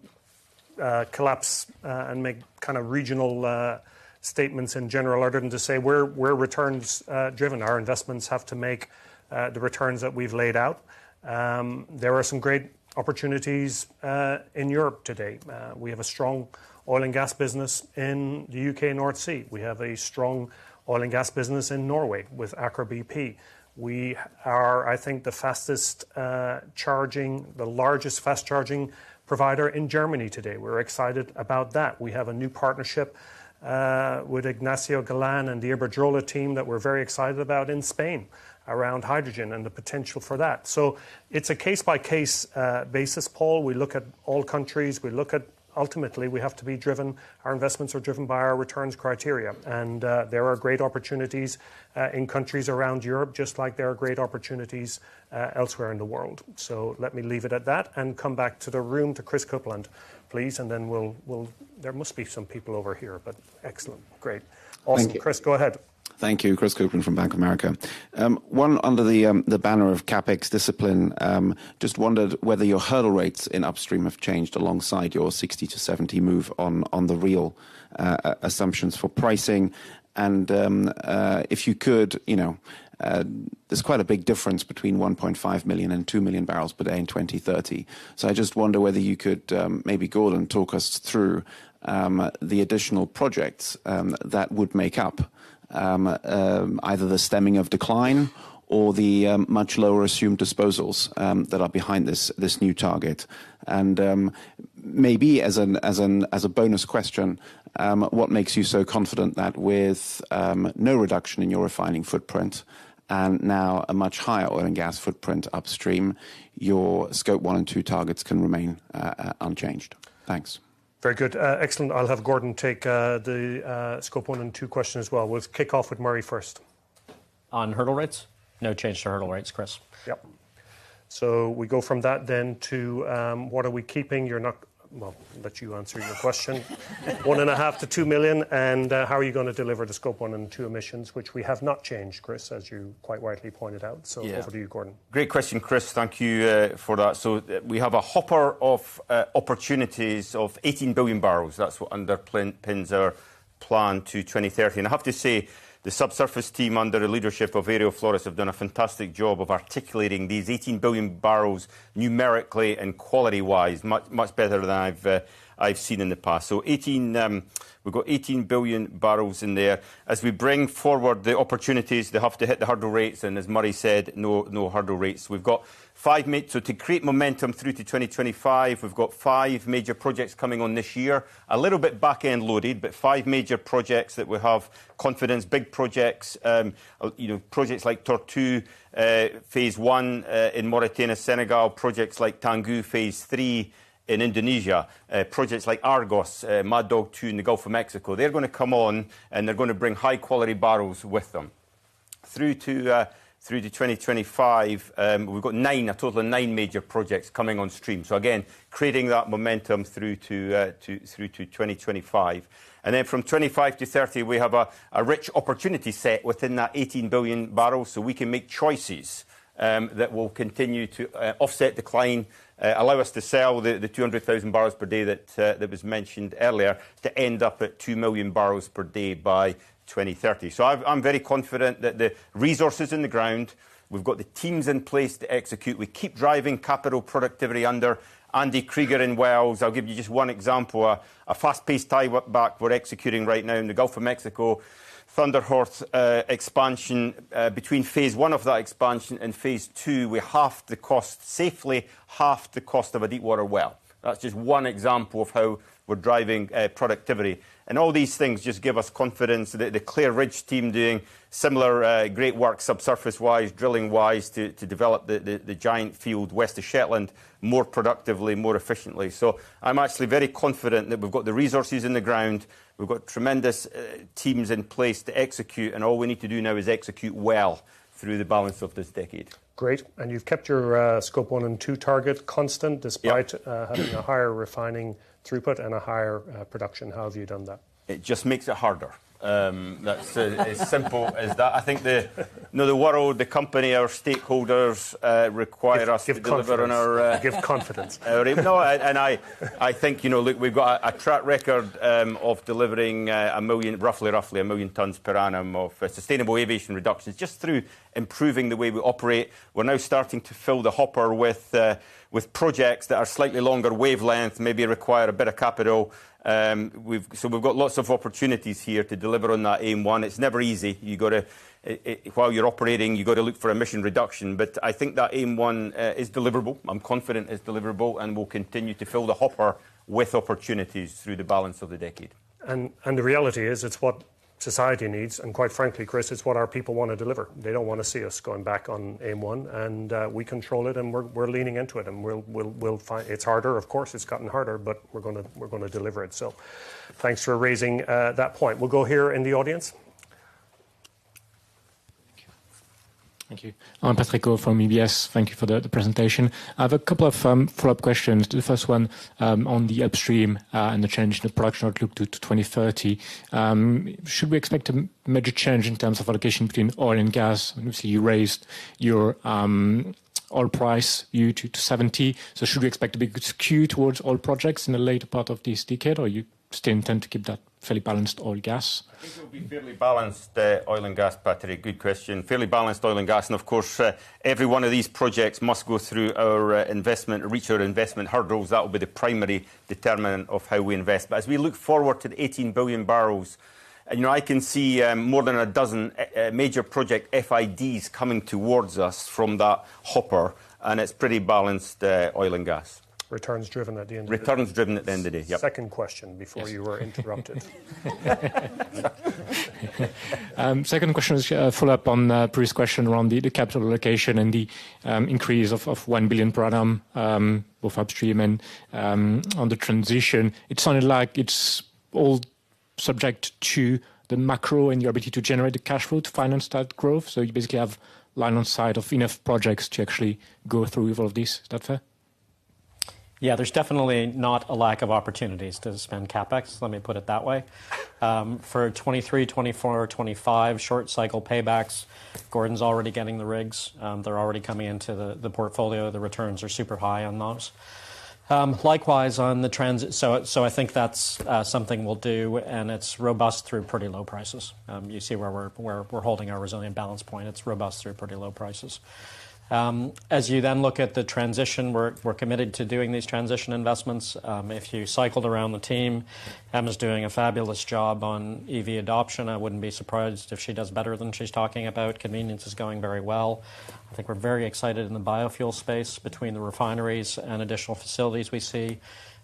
collapse and make kind of regional statements in general other than to say we're returns driven. Our investments have to make the returns that we've laid out. There are some great opportunities in Europe today. We have a strong oil and gas business in the U.K. North Sea. We have a strong oil and gas business in Norway with Aker BP. We are, I think, the fastest charging, the largest fast charging provider in Germany today. We're excited about that. We have a new partnership with Ignacio Galán and the Iberdrola team that we're very excited about in Spain around hydrogen and the potential for that. It's a case-by-case basis, Paul. We look at all countries, we look at... Ultimately, we have to be driven, our investments are driven by our returns criteria. There are great opportunities in countries around Europe, just like there are great opportunities elsewhere in the world. Let me leave it at that and come back to the room to Kris Copeland, please. There must be some people over here, excellent. Great. Thank you. Awesome. Kris, go ahead. Thank you. Kris Copeland from Bank of America. One under the banner of CapEx discipline, just wondered whether your hurdle rates in upstream have changed alongside your 60-70 move on the real assumptions for pricing. If you could, you know, there's quite a big difference between 1.5 million and 2 million barrels per day in 2030. I just wonder whether you could maybe go ahead and talk us through the additional projects that would make up either the stemming of decline or the much lower assumed disposals that are behind this new target. Maybe as a bonus question, what makes you so confident that with no reduction in your refining footprint and now a much higher oil and gas footprint upstream, your Scope 1 and 2 targets can remain unchanged? Thanks. Very good. Excellent. I'll have Gordon take the Scope 1 and 2 question as well. We'll kick off with Murray first. On hurdle rates? No change to hurdle rates, Kris. Yep. We go from that then to, what are we keeping? Well, I'll let you answer your question. One and a half to two million, how are you gonna deliver the Scope 1 and 2 emissions, which we have not changed, Kris, as you quite rightly pointed out? Yeah. Over to you, Gordon. Great question, Kris. Thank you for that. We have a hopper of opportunities of 18 billion barrels. That's what underpins our plan to 2030. I have to say, the subsurface team under the leadership of Ariel Flores have done a fantastic job of articulating these 18 billion barrels numerically and quality-wise, much better than I've seen in the past. Eighteen, we've got 18 billion barrels in there. As we bring forward the opportunities, they have to hit the hurdle rates, and as Murray said, no hurdle rates. We've got five so to create momentum through to 2025, we've got five major projects coming on this year. A little bit back-end loaded, but five major projects that we have confidence, big projects, you know, projects like Tortue phase I in Mauritania, Senegal, projects like Tangguh phase III in Indonesia, projects like Argos, Mad Dog two in the Gulf of Mexico. They're gonna come on, and they're gonna bring high-quality barrels with them. Through to 2025, we've got nine, a total of nine major projects coming on stream. Again, creating that momentum through to 2025. From 2025 to 2030, we have a rich opportunity set within that 18 billion barrels. We can make choices that will continue to offset decline, allow us to sell the 200,000 barrels per day that was mentioned earlier, to end up at 2 million barrels per day by 2030. I'm very confident that the resources in the ground, we've got the teams in place to execute. We keep driving capital productivity under Andy Krieger in Wells. I'll give you just one example. A fast-paced tie back we're executing right now in the Gulf of Mexico, Thunder Horse expansion. Between phase I of that expansion and phase II, we safely half the cost of a deep water well. That's just one example of how we're driving productivity. All these things just give us confidence. The Clair Ridge team doing similar, great work subsurface-wise, drilling-wise, to develop the giant field west of Shetland more productively, more efficiently. I'm actually very confident that we've got the resources in the ground, we've got tremendous teams in place to execute, and all we need to do now is execute well through the balance of this decade. Great. You've kept your Scope 1 and 2 target constant- Yeah. Despite having a higher refining throughput and a higher production. How have you done that? It just makes it harder. That's as simple as that. No, the world, the company, our stakeholders, require us- Give confidence. to deliver on our, Give confidence. No, I think, you know, look, we've got a track record of delivering 1 million, roughly 1 million tons per annum of sustainable aviation reductions just through improving the way we operate. We're now starting to fill the hopper with projects that are slightly longer wavelength, maybe require a bit of capital. We've got lots of opportunities here to deliver on that Aim 1. It's never easy. While you're operating, you gotta look for emission reduction. I think that Aim 1 is deliverable, I'm confident it's deliverable, and we'll continue to fill the hopper with opportunities through the balance of the decade. The reality is it's what society needs, and quite frankly, Kris, it's what our people wanna deliver. They don't wanna see us going back on aim one, and we control it and we're leaning into it, and we'll find... It's harder, of course, it's gotten harder, but we're gonna deliver it. Thanks for raising that point. We'll go here in the audience. Thank you. I'm Patrick Ho from UBS. Thank you for the presentation. I have a couple of follow-up questions. The first one, on the upstream, and the change in the production outlook to 2030. Should we expect a major change in terms of allocation between oil and gas? Obviously, you raised your oil price view to 70. Should we expect a big skew towards oil projects in the later part of this decade, or you still intend to keep that fairly balanced oil and gas? I think it'll be fairly balanced, oil and gas, Patrick. Good question. Fairly balanced oil and gas. Of course, every one of these projects must go through our investment, reach our investment hurdles. That will be the primary determinant of how we invest. As we look forward to the 18 billion barrels, you know, I can see more than 12 major project FIDs coming towards us from that hopper. It's pretty balanced, oil and gas. Returns driven at the end of the day. Returns driven at the end of the day, yep. Second question before you were interrupted. Second question is a follow-up on the previous question around the capital allocation and the, increase of $1 billion per annum, of upstream and, on the transition. It sounded like it's all subject to the macro and your ability to generate the cash flow to finance that growth. You basically have line of sight of enough projects to actually go through with all of this. Is that fair? Yeah. There's definitely not a lack of opportunities to spend CapEx, let me put it that way. For 2023, 2024, 2025, short cycle paybacks, Gordon's already getting the rigs. They're already coming into the portfolio. The returns are super high on those. Likewise on the transit. I think that's something we'll do, and it's robust through pretty low prices. You see where we're holding our resilient balance point. It's robust through pretty low prices. As you then look at the transition, we're committed to doing these transition investments. If you cycled around the team, Emma's doing a fabulous job on EV adoption. I wouldn't be surprised if she does better than she's talking about. Convenience is going very well. I think we're very excited in the biofuel space between the refineries and additional facilities we see.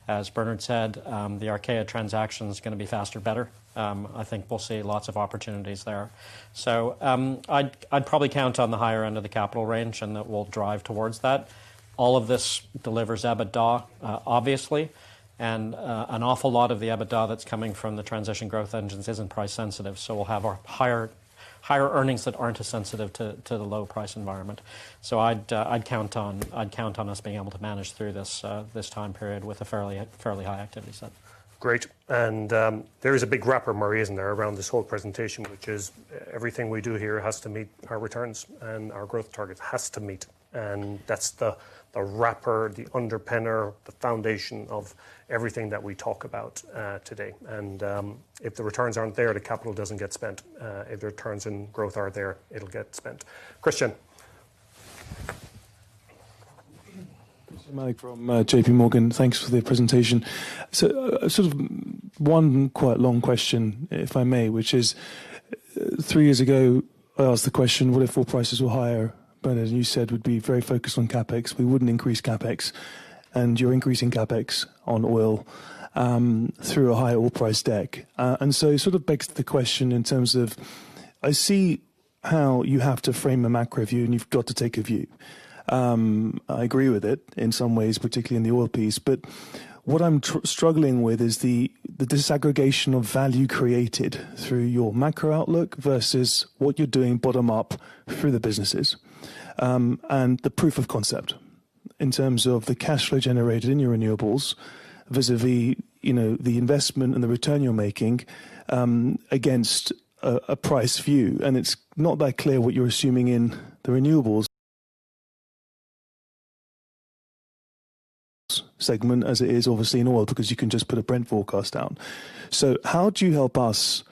As Bernard said, the Archaea transaction's gonna be faster, better. I think we'll see lots of opportunities there. I'd probably count on the higher end of the capital range and that we'll drive towards that. All of this delivers EBITDA, obviously, and an awful lot of the EBITDA that's coming from the transition growth engines isn't price sensitive, so we'll have our higher earnings that aren't as sensitive to the low price environment. I'd count on us being able to manage through this time period with a fairly high activity set. Great. There is a big wrapper, Marie, isn't there, around this whole presentation, which is everything we do here has to meet our returns and our growth targets. Has to meet, and that's the wrapper, the underpinner, the foundation of everything that we talk about today. If the returns aren't there, the capital doesn't get spent. If the returns and growth are there, it'll get spent. Christyan. Christyan Malek from JPMorgan. Thanks for the presentation. Sort of one quite long question, if I may, which is three years ago, I asked the question, well, if oil prices were higher, Bernard, you said would be very focused on CapEx. We wouldn't increase CapEx, and you're increasing CapEx on oil through a higher oil price deck. It sort of begs the question in terms of I see how you have to frame a macro view, and you've got to take a view. I agree with it in some ways, particularly in the oil piece, but what I'm struggling with is the disaggregation of value created through your macro outlook versus what you're doing bottom up through the businesses, and the proof of concept. In terms of the cash flow generated in your renewables vis-a-vis, you know, the investment and the return you're making, against a price view. It's not that clear what you're assuming in the renewables segment as it is obviously in oil, because you can just put a Brent forecast down. How do you help us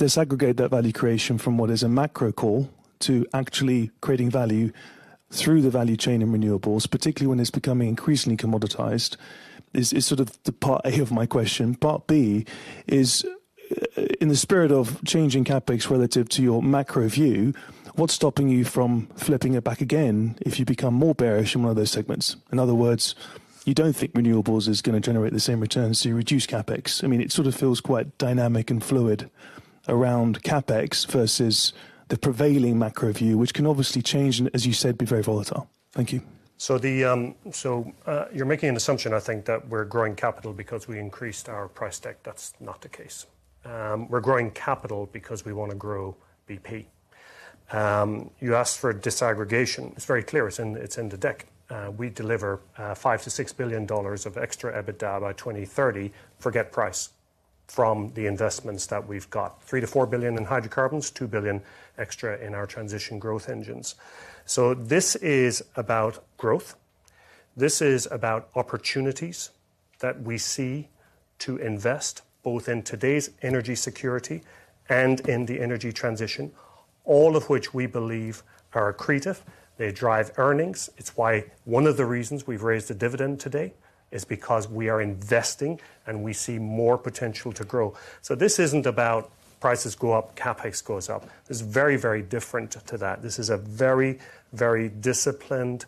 disaggregate that value creation from what is a macro call to actually creating value through the value chain in renewables, particularly when it's becoming increasingly commoditized, is sort of the part A of my question. Part B is in the spirit of changing CapEx relative to your macro view, what's stopping you from flipping it back again if you become more bearish in one of those segments? In other words, you don't think renewables is gonna generate the same returns, so you reduce CapEx. I mean, it sort of feels quite dynamic and fluid around CapEx versus the prevailing macro view, which can obviously change and, as you said, be very volatile. Thank you. You're making an assumption, I think, that we're growing capital because we increased our price deck. That's not the case. We're growing capital because we wanna grow BP. You asked for a disaggregation. It's very clear. It's in the deck. We deliver $5 billion-$6 billion of extra EBITDA by 2030, forget price, from the investments that we've got. $3 billion-$4 billion in hydrocarbons, $2 billion extra in our transition growth engines. This is about growth. This is about opportunities that we see to invest both in today's energy security and in the energy transition, all of which we believe are accretive. They drive earnings. It's why one of the reasons we've raised the dividend today is because we are investing, and we see more potential to grow. This isn't about prices go up, CapEx goes up. This is very, very different to that. This is a very, very disciplined,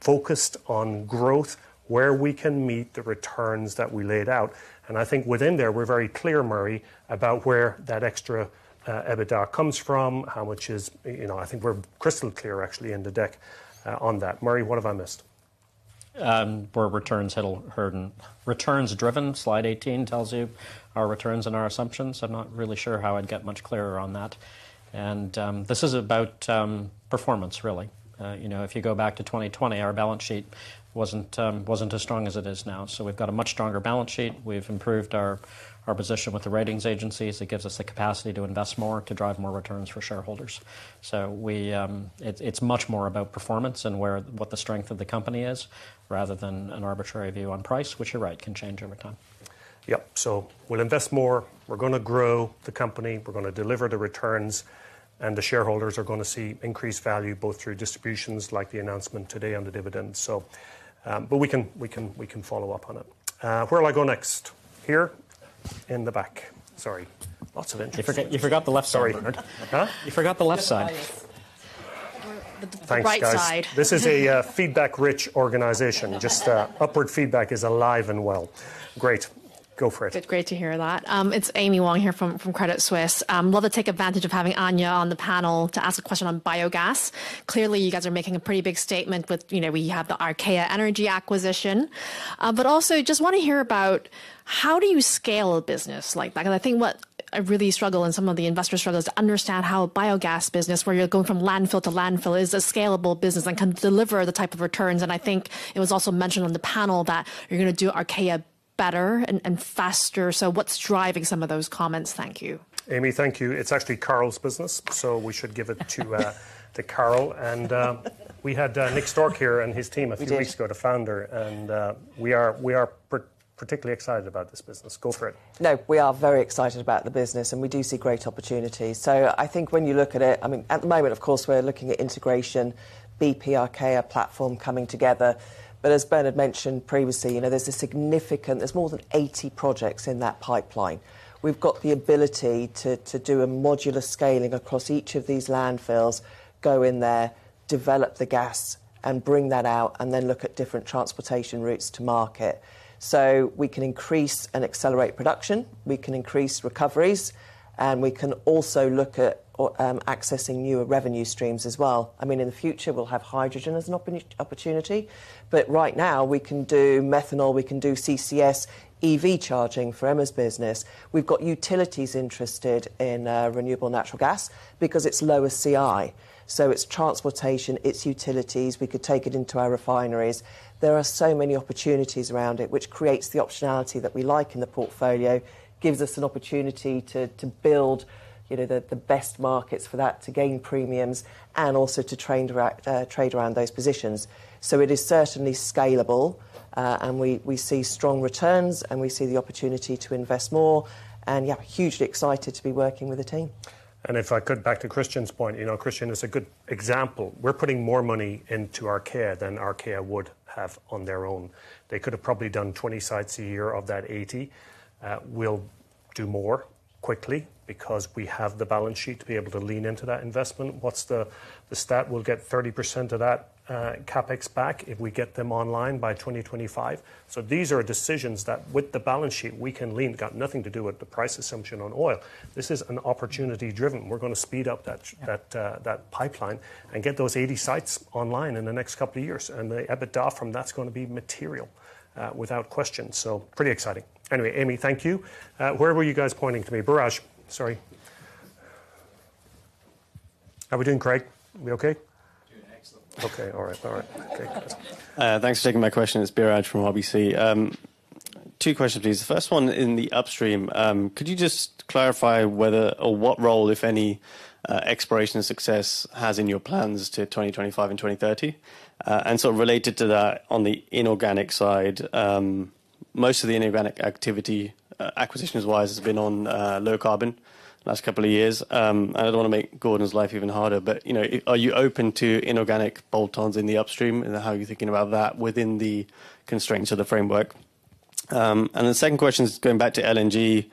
focused on growth, where we can meet the returns that we laid out. I think within there, we're very clear, Murray, about where that extra EBITDA comes from, how much is, you know, I think we're crystal clear actually in the deck on that. Murray, what have I missed? Where returns hit or hurt and returns driven. Slide 18 tells you our returns and our assumptions. I'm not really sure how I'd get much clearer on that. This is about performance really. You know, if you go back to 2020, our balance sheet wasn't as strong as it is now. We've got a much stronger balance sheet. We've improved our position with the ratings agencies. It gives us the capacity to invest more, to drive more returns for shareholders. We, it's much more about performance and where, what the strength of the company is, rather than an arbitrary view on price, which you're right, can change over time. Yep. We'll invest more. We're gonna grow the company. We're gonna deliver the returns, and the shareholders are gonna see increased value, both through distributions like the announcement today on the dividends. We can follow up on it. Where will I go next? Here? In the back. Sorry. Lots of interest. You forgot the left side, Bernard. Sorry. Huh? You forgot the left side. Left side. The right side. Thanks, guys. This is a feedback-rich organization. Just, upward feedback is alive and well. Great. Go for it. Good. Great to hear that. It's Amy Wong here from Credit Suisse. Love to take advantage of having Anja on the panel to ask a question on biogas. Clearly, you guys are making a pretty big statement with, you know, we have the Archaea Energy acquisition. Also just wanna hear about how do you scale a business like that? 'Cause I think what I really struggle and some of the investors struggle is to understand how a biogas business, where you're going from landfill to landfill, is a scalable business and can deliver the type of returns. I think it was also mentioned on the panel that you're gonna do Archaea better and faster. What's driving some of those comments? Thank you. Amy, thank you. It's actually Carol's business, so we should give it to Carol. We had Nick Stork here and his team a few weeks ago. We did. ...the founder, we are particularly excited about this business. Go for it. We are very excited about the business, and we do see great opportunities. I think when you look at it, I mean, at the moment, of course, we're looking at integration, BP Archaea platform coming together. As Bernard mentioned previously, you know, there's more than 80 projects in that pipeline. We've got the ability to do a modular scaling across each of these landfills, go in there, develop the gas, and bring that out, and then look at different transportation routes to market. We can increase and accelerate production, we can increase recoveries, and we can also look at accessing newer revenue streams as well. I mean, in the future, we'll have hydrogen as an opportunity, but right now we can do methanol, we can do CCS, EV charging for Emma's business. We've got utilities interested in renewable natural gas because it's lower CI. It's transportation, it's utilities. We could take it into our refineries. There are so many opportunities around it, which creates the optionality that we like in the portfolio, gives us an opportunity to build, you know, the best markets for that to gain premiums and also to train around trade around those positions. It is certainly scalable, and we see strong returns, and we see the opportunity to invest more. Yeah, hugely excited to be working with the team. If I could back to Christyan's point, you know, Christyan is a good example. We're putting more money into Archaea than Archaea would have on their own. They could have probably done 20 sites a year of that 80. We'll do more quickly because we have the balance sheet to be able to lean into that investment. What's the stat? We'll get 30% of that CapEx back if we get them online by 2025. These are decisions that with the balance sheet, we can lean. Got nothing to do with the price assumption on oil. This is an opportunity driven. We're gonna speed up that- Yeah ...that pipeline and get those 80 sites online in the next couple of years. The EBITDA from that's gonna be material, without question. Pretty exciting. Amy, thank you. Where were you guys pointing to me? Biraj. Sorry. How we doing, Craig? We okay? Doing excellent. Okay. All right. All right. Okay, guys. Thanks for taking my question. It's Biraj from RBC. Two questions, please. The first one in the upstream. Could you just clarify whether or what role, if any, exploration success has in your plans to 2025 and 2030? Related to that, on the inorganic side, most of the inorganic activity, acquisitions-wise has been on low carbon last couple of years. I don't wanna make Gordon's life even harder, but, you know, are you open to inorganic bolt-ons in the upstream and how are you thinking about that within the constraints of the framework? The second question is going back to LNG.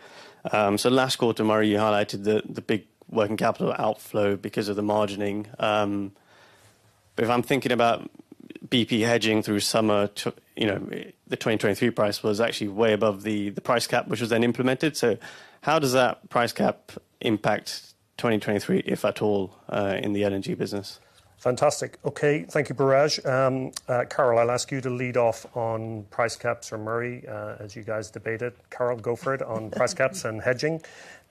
Last quarter, Murray, you highlighted the big working capital outflow because of the margining. If I'm thinking about BP hedging through summer to, you know, the 2023 price was actually way above the price cap, which was then implemented. How does that price cap impact 2023, if at all, in the LNG business? Fantastic. Okay. Thank you, Biraj. Carol, I'll ask you to lead off on price caps for Murray, as you guys debate it. Carol, go for it on price caps and hedging.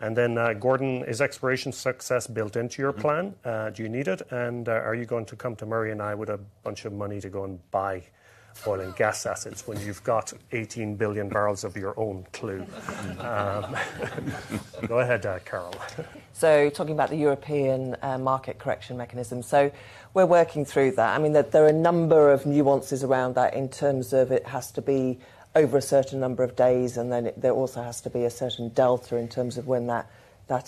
Then, Gordon, is exploration success built into your plan? Do you need it? Are you going to come to Murray and I with a bunch of money to go and buy oil and gas assets when you've got 18 billion barrels of your own clue? Go ahead, Carol. Talking about the European market correction mechanism. We're working through that. I mean, there are a number of nuances around that in terms of it has to be over a certain number of days, and then there also has to be a certain delta in terms of when that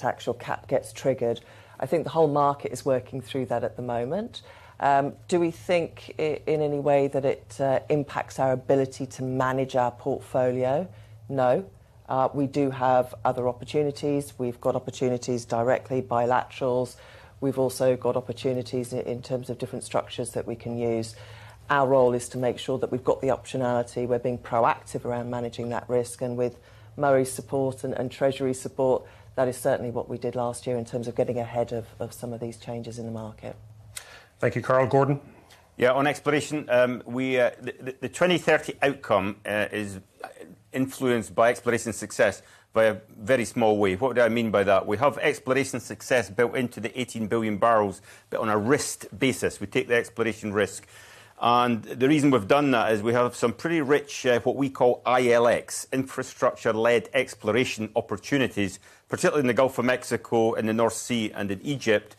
actual cap gets triggered. I think the whole market is working through that at the moment. Do we think in any way that it impacts our ability to manage our portfolio? No. We do have other opportunities. We've got opportunities directly, bilaterals. We've also got opportunities in terms of different structures that we can use. Our role is to make sure that we've got the optionality, we're being proactive around managing that risk, and with Murray's support and treasury support, that is certainly what we did last year in terms of getting ahead of some of these changes in the market. Thank you, Carol. Gordon? Yeah, on exploration, the 2030 outcome is influenced by exploration success by a very small way. What do I mean by that? We have exploration success built into the 18 billion barrels, on a risked basis, we take the exploration risk. The reason we've done that is we have some pretty rich, what we call ILX, infrastructure-led exploration opportunities, particularly in the Gulf of Mexico and the North Sea and in Egypt,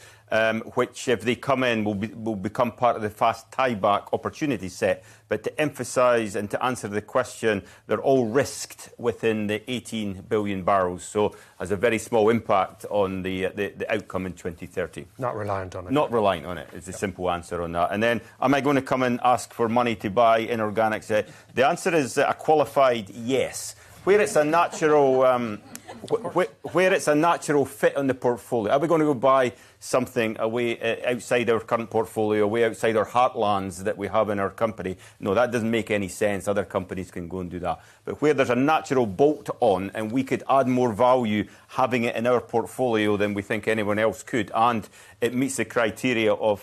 which if they come in, will become part of the fast tieback opportunity set. To emphasize and to answer the question, they're all risked within the 18 billion barrels. Has a very small impact on the outcome in 2030. Not reliant on it. Not reliant on it is the simple answer on that. Then am I gonna come and ask for money to buy inorganic set? The answer is a qualified yes. Where it's a natural fit on the portfolio. Are we gonna go buy something away, outside our current portfolio, way outside our heartlands that we have in our company? No, that doesn't make any sense. Other companies can go and do that. Where there's a natural bolt on and we could add more value having it in our portfolio than we think anyone else could, and it meets the criteria of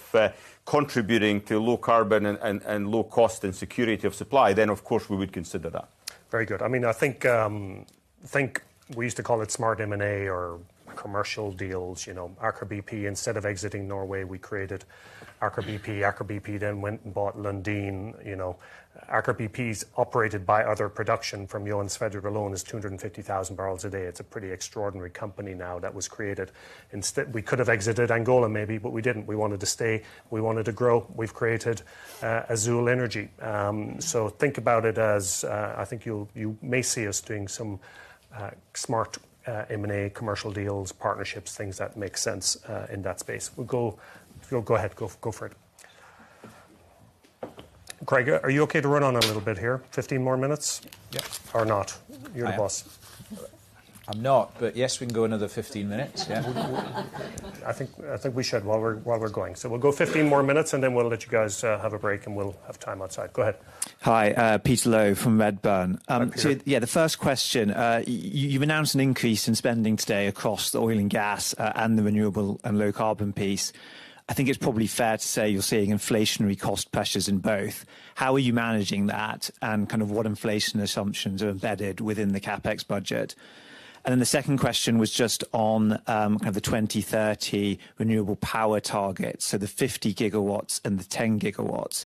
contributing to low carbon and low cost and security of supply, then of course we would consider that. Very good. I mean, I think we used to call it smart M&A or commercial deals, you know, Aker BP. Instead of exiting Norway, we created Aker BP. Aker BP went and bought Lundin. You know, Aker BP's operated by other production from Johan Sverdrup alone is 250,000 barrels a day. It's a pretty extraordinary company now that was created. Instead, we could have exited Angola maybe, we didn't. We wanted to stay. We wanted to grow. We've created Azule Energy. Think about it as, I think you may see us doing some smart M&A commercial deals, partnerships, things that make sense in that space. Go ahead. Go for it. Craig, are you okay to run on a little bit here? 15 more minutes? Yeah. Or not? You're the boss. I am. I'm not. Yes, we can go another 15 minutes. Yeah. I think we should while we're, while we're going. We'll go 15 more minutes, and then we'll let you guys have a break, and we'll have time outside. Go ahead. Hi, Peter Low from Redburn. Hi, Peter. Yeah, the first question. You've announced an increase in spending today across the oil and gas, and the renewable and low carbon piece. I think it's probably fair to say you're seeing inflationary cost pressures in both. How are you managing that, and kind of what inflation assumptions are embedded within the CapEx budget? Then the second question was just on, kind of the 2030 renewable power targets, so the 50 GW and the 10 GW.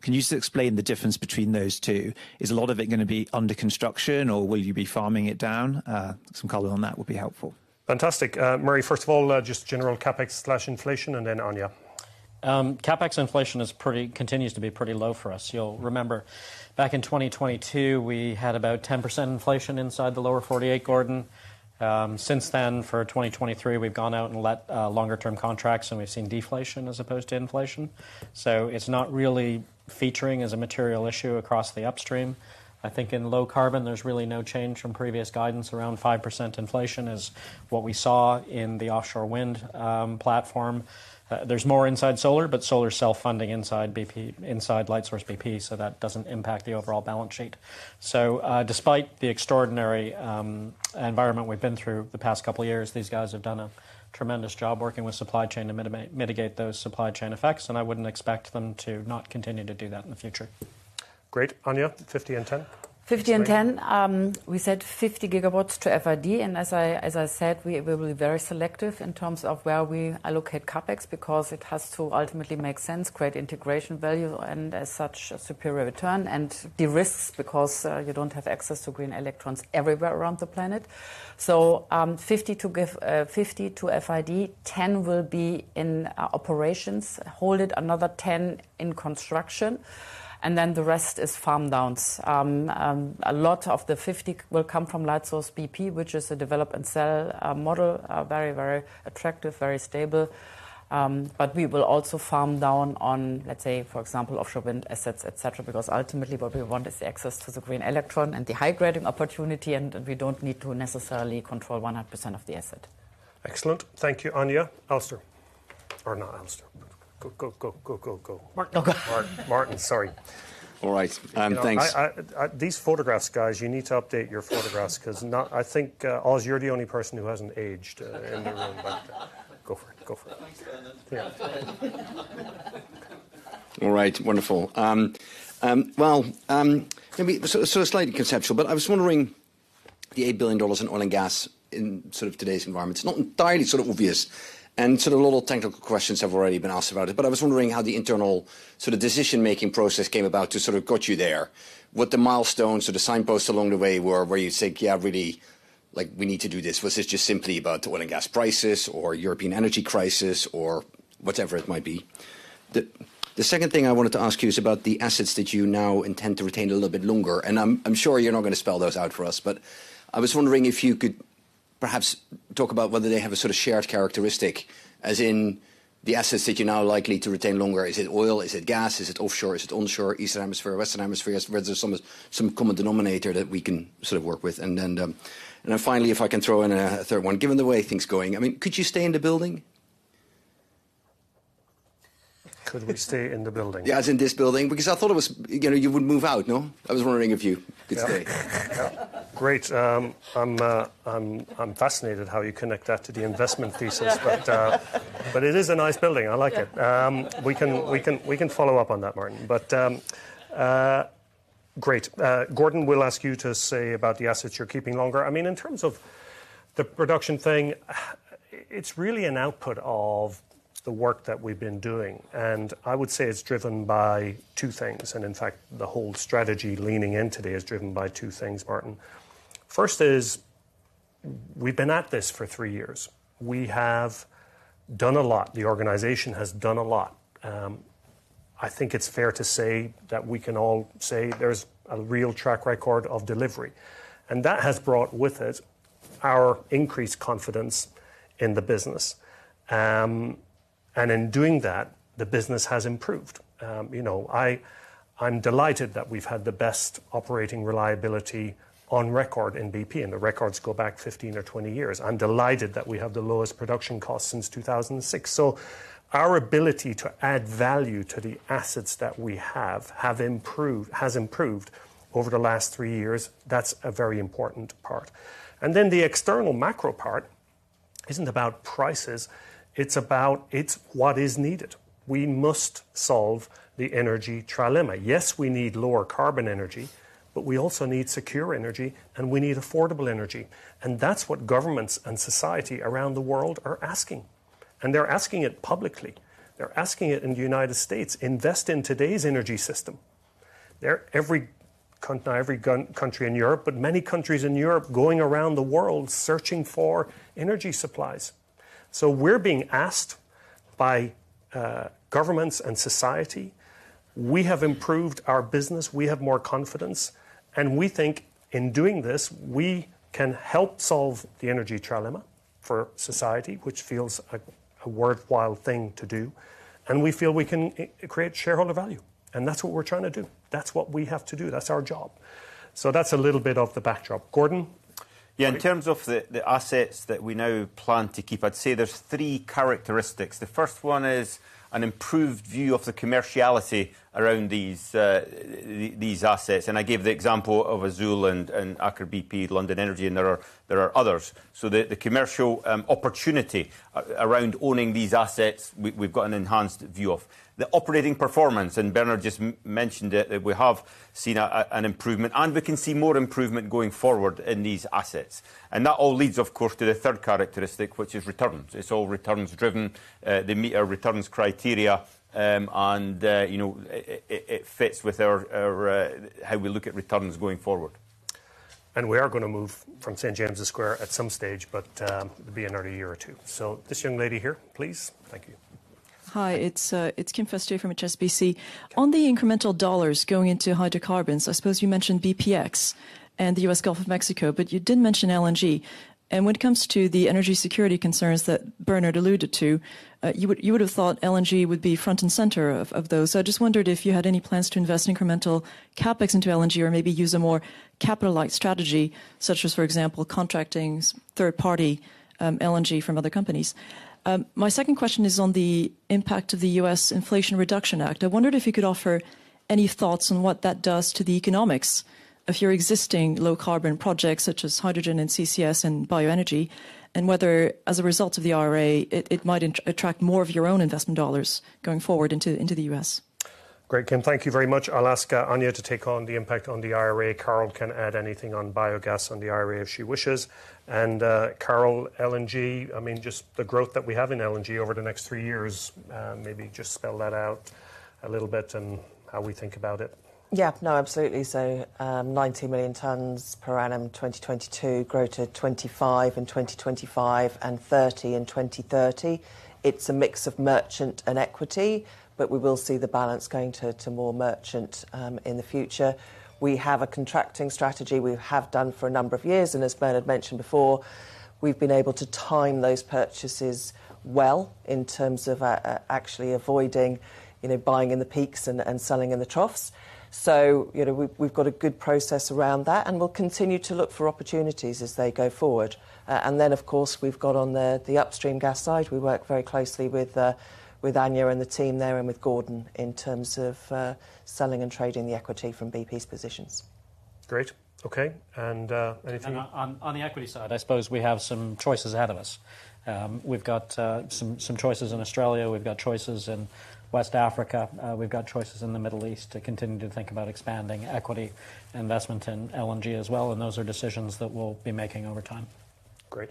Can you just explain the difference between those two? Is a lot of it gonna be under construction or will you be farming it down? Some color on that would be helpful. Fantastic. Murray, first of all, just general CapEx slash inflation and then on you. CapEx inflation is pretty, continues to be pretty low for us. You'll remember back in 2022, we had about 10% inflation inside the lower 48, Gordon. Since then, for 2023, we've gone out and let longer term contracts. We've seen deflation as opposed to inflation. It's not really featuring as a material issue across the upstream. I think in low carbon, there's really no change from previous guidance. Around 5% inflation is what we saw in the offshore wind platform. There's more inside solar, but solar's self-funding inside BP, inside Lightsource BP. That doesn't impact the overall balance sheet. Despite the extraordinary environment we've been through the past couple of years, these guys have done a tremendous job working with supply chain to mitigate those supply chain effects, and I wouldn't expect them to not continue to do that in the future. Great. Anja, 50 and 10. 50 and 10. We said 50 GW to FID, as I said, we will be very selective in terms of where we allocate CapEx, because it has to ultimately make sense, create integration value, and as such, a superior return and de-risks because you don't have access to green electrons everywhere around the planet. 50 to FID, 10 will be in operations, hold it, another 10 in construction, the rest is farm downs. A lot of the 50 will come from Lightsource BP, which is a develop and sell model, very attractive, very stable. We will also farm down on, let's say, for example, offshore wind assets, et cetera, because ultimately what we want is the access to the green electron and the high grading opportunity and we don't need to necessarily control 100% of the asset. Excellent. Thank you, Anja. Alistair. Or not Alistair. Go, go, go, go. Martin. Sorry. All right. Thanks. These photographs, guys, you need to update your photographs 'cause now I think, Os, you're the only person who hasn't aged in the room. Go for it. Go for it. That makes two of us. All right. Wonderful. Slightly conceptual, but I was wondering the $8 billion in oil and gas in sort of today's environment. It's not entirely sort of obvious, sort of a lot of technical questions have already been asked about it, but I was wondering how the internal sort of decision-making process came about to sort of got you there, what the milestones or the signposts along the way were, where you think, "Yeah, really, like, we need to do this." Was this just simply about oil and gas prices or European energy crisis or whatever it might be? The second thing I wanted to ask you is about the assets that you now intend to retain a little bit longer. I'm sure you're not gonna spell those out for us. I was wondering if you could perhaps talk about whether they have a sort of shared characteristic, as in the assets that you're now likely to retain longer. Is it oil? Is it gas? Is it offshore? Is it onshore? Eastern Hemisphere? Western Hemisphere? Whether there's some common denominator that we can sort of work with. Then finally, if I can throw in a third one, given the way things are going, I mean, could you stay in the building? Could we stay in the building? Yeah, as in this building, because I thought it was, you know, you would move out, no? I was wondering if you could stay. Great. I'm fascinated how you connect that to the investment thesis. It is a nice building. I like it. We can follow up on that, Martin. Great. Gordon, we'll ask you to say about the assets you're keeping longer. I mean, in terms of the production thing, it's really an output of the work that we've been doing. I would say it's driven by two things. In fact, the whole strategy leaning in today is driven by two things, Martin. First is, we've been at this for three years. We have done a lot. The organization has done a lot. I think it's fair to say that we can all say there's a real track record of delivery. That has brought with it our increased confidence in the business. In doing that, the business has improved. You know, I'm delighted that we've had the best operating reliability on record in BP, and the records go back 15 or 20 years. I'm delighted that we have the lowest production cost since 2006. Our ability to add value to the assets that we have, has improved over the last three years. That's a very important part. The external macro part isn't about prices, it's what is needed. We must solve the energy trilemma. Yes, we need lower carbon energy, but we also need secure energy, and we need affordable energy. That's what governments and society around the world are asking. They're asking it publicly. They're asking it in the United States, invest in today's energy system. They're not every country in Europe, but many countries in Europe going around the world searching for energy supplies. We're being asked by governments and society. We have improved our business, we have more confidence, and we think in doing this, we can help solve the energy trilemma for society, which feels a worthwhile thing to do. We feel we can create shareholder value. That's what we're trying to do. That's what we have to do. That's our job. That's a little bit of the backdrop. Gordon? Yeah. In terms of the assets that we now plan to keep, I'd say there's three characteristics. The first one is an improved view of the commerciality around these assets. I gave the example of Azule and Aker BP, Lundin Energy, and there are others. The commercial opportunity around owning these assets, we've got an enhanced view of. The operating performance, and Bernard just mentioned it, that we have seen an improvement, and we can see more improvement going forward in these assets. That all leads, of course, to the third characteristic, which is returns. It's all returns driven. They meet our returns criteria, and, you know, it fits with our how we look at returns going forward. We are gonna move from St. James Square at some stage, but, it'll be another year or two. This young lady here, please. Thank you. Hi, it's Kim Fustier from HSBC. On the incremental dollars going into hydrocarbons, I suppose you mentioned bpx and the U.S. Gulf of Mexico, but you didn't mention LNG. When it comes to the energy security concerns that Bernard alluded to, you would have thought LNG would be front and center of those. I just wondered if you had any plans to invest incremental CapEx into LNG or maybe use a more capital-light strategy, such as, for example, contracting third-party LNG from other companies. My second question is on the impact of the U.S. Inflation Reduction Act. I wondered if you could offer any thoughts on what that does to the economics of your existing low carbon projects, such as hydrogen and CCS and bioenergy, and whether, as a result of the IRA, it might attract more of your own investment dollars going forward into the US. Great, Kim. Thank you very much. I'll ask Anja to take on the impact on the IRA. Carol can add anything on biogas on the IRA if she wishes. Carol, LNG, I mean, just the growth that we have in LNG over the next three years, maybe just spell that out a little bit and how we think about it. No, absolutely. 90 million tons per annum 2022 grow to 25 million in 2025, and 30 million in 2030. It's a mix of merchant and equity. We will see the balance going to more merchant in the future. We have a contracting strategy. We have done for a number of years. As Bernard mentioned before, we've been able to time those purchases well in terms of actually avoiding, you know, buying in the peaks and selling in the troughs. You know, we've got a good process around that, and we'll continue to look for opportunities as they go forward. Of course, we've got on the upstream gas side, we work very closely with Anja and the team there and with Gordon in terms of selling and trading the equity from BP's positions. Great. Okay. On the equity side, I suppose we have some choices ahead of us. We've got some choices in Australia. We've got choices in West Africa. We've got choices in the Middle East to continue to think about expanding equity investment in LNG as well. Those are decisions that we'll be making over time. Great.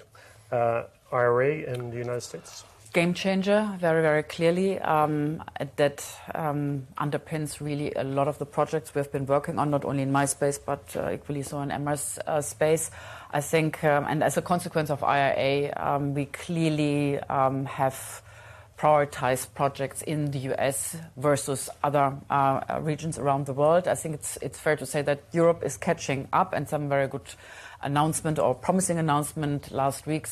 IRA in the United States. Game changer, very, very clearly, that underpins really a lot of the projects we've been working on, not only in my space, but equally so in Emma's space. I think, as a consequence of IRA, we clearly have prioritized projects in the U.S. versus other regions around the world. I think it's fair to say that Europe is catching up and some very good announcement or promising announcement last week.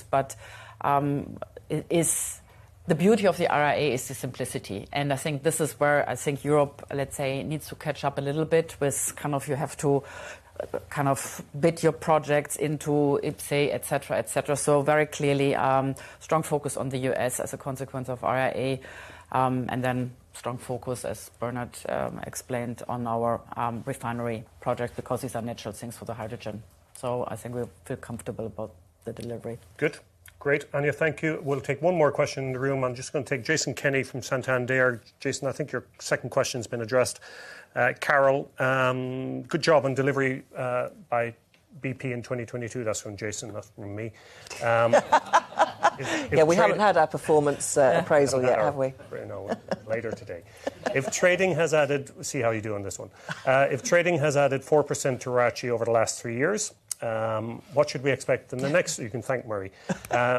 The beauty of the IRA is the simplicity, and I think this is where I think Europe, let's say, needs to catch up a little bit with kind of you have to kind of bid your projects into IPSA, et cetera, et cetera. Very clearly, strong focus on the U.S. as a consequence of IRA, strong focus, as Bernard explained, on our refinery project because these are natural things for the hydrogen. I think we feel comfortable about the delivery. Good. Great. Anja, thank you. We'll take one more question in the room. I'm just gonna take Jason Kenney from Santander. Jason, I think your second question's been addressed. Carol, good job on delivery by BP in 2022. That's from Jason, not from me. Yeah, we haven't had our performance appraisal yet, have we? No. Later today. If trading has added... We'll see how you do on this one. If trading has added 4% to ROACE over the last three years, what should we expect in the next... You can thank Murray.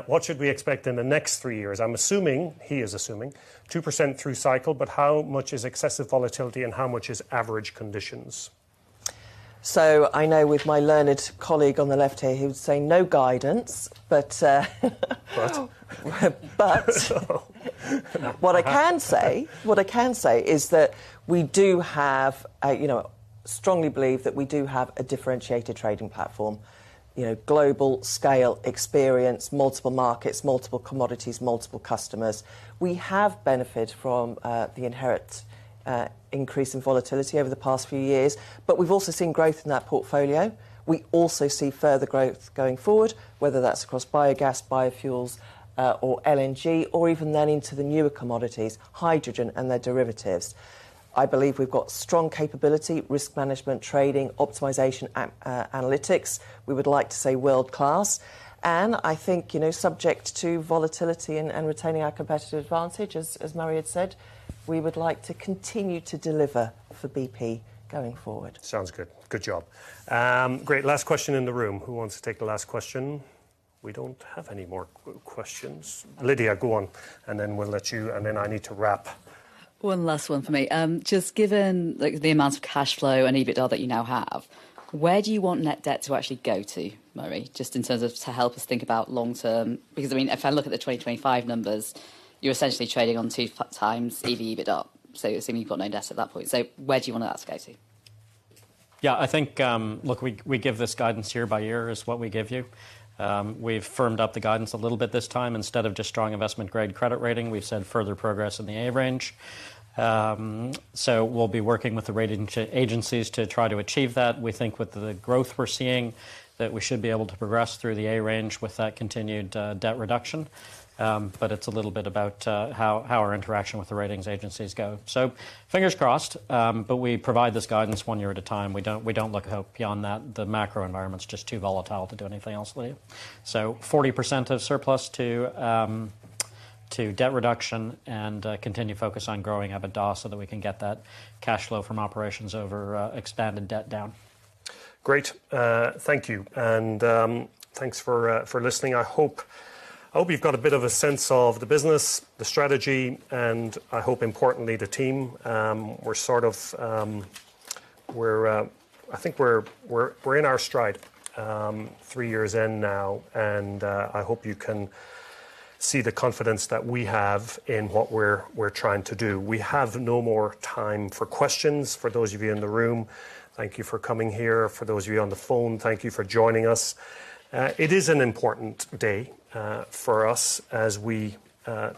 What should we expect in the next three years? I'm assuming, he is assuming, 2% through cycle, but how much is excessive volatility and how much is average conditions? I know with my learned colleague on the left here, he would say no guidance. But. What I can say is that we do have a, you know, strongly believe that we do have a differentiated trading platform. You know, global scale experience, multiple markets, multiple commodities, multiple customers. We have benefited from the inherent increase in volatility over the past few years, but we've also seen growth in that portfolio. We also see further growth going forward, whether that's across biogas, biofuels, or LNG or even then into the newer commodities, hydrogen and their derivatives. I believe we've got strong capability, risk management, trading, optimization, analytics. We would like to say world-class. I think, you know, subject to volatility and retaining our competitive advantage, as Murray had said, we would like to continue to deliver for BP going forward. Sounds good. Good job. Great. Last question in the room. Who wants to take the last question? We don't have any more questions. Lydia, go on, and then we'll let you, and then I need to wrap. One last one for me. Just given, like, the amount of cash flow and EBITDA that you now have, where do you want net debt to actually go to, Murray? Just in terms of to help us think about long-term, because, I mean, if I look at the 2025 numbers, you're essentially trading on 2x EV/EBITDA, so it's seeming you've got no debt at that point. Where do you want that to go to? Yeah. I think, look, we give this guidance year by year is what we give you. We've firmed up the guidance a little bit this time. Instead of just strong investment grade credit rating, we've said further progress in the A range. We'll be working with the rating agencies to try to achieve that. We think with the growth we're seeing, that we should be able to progress through the A range with that continued debt reduction. It's a little bit about how our interaction with the ratings agencies go. Fingers crossed, but we provide this guidance one year at a time. We don't, we don't look hope beyond that. The macro environment's just too volatile to do anything else, Lydia. 40% of surplus to debt reduction and continue focus on growing EBITDA so that we can get that cash flow from operations over expanded debt down. Great. Thank you, and thanks for listening. I hope you've got a bit of a sense of the business, the strategy, and I hope importantly the team. We're sort of, I think we're in our stride, three years in now, and I hope you can see the confidence that we have in what we're trying to do. We have no more time for questions. For those of you in the room, thank you for coming here. For those of you on the phone, thank you for joining us. It is an important day for us as we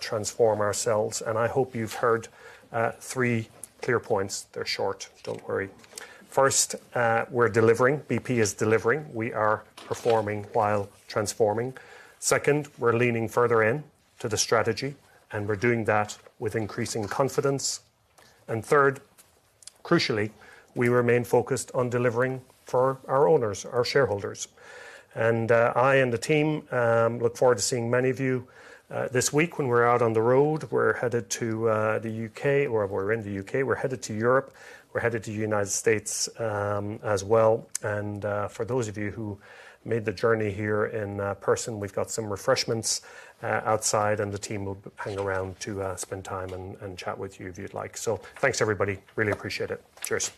transform ourselves, and I hope you've heard three clear points. They're short. Don't worry. First, we're delivering. BP is delivering. We are performing while transforming. Second, we're leaning further in to the strategy, and we're doing that with increasing confidence. Third, crucially, we remain focused on delivering for our owners, our shareholders. I and the team look forward to seeing many of you this week when we're out on the road. We're headed to the U.K., or we're in the U.K. We're headed to Europe. We're headed to United States as well. For those of you who made the journey here in person, we've got some refreshments outside, and the team will hang around to spend time and chat with you if you'd like. Thanks, everybody. Really appreciate it. Cheers.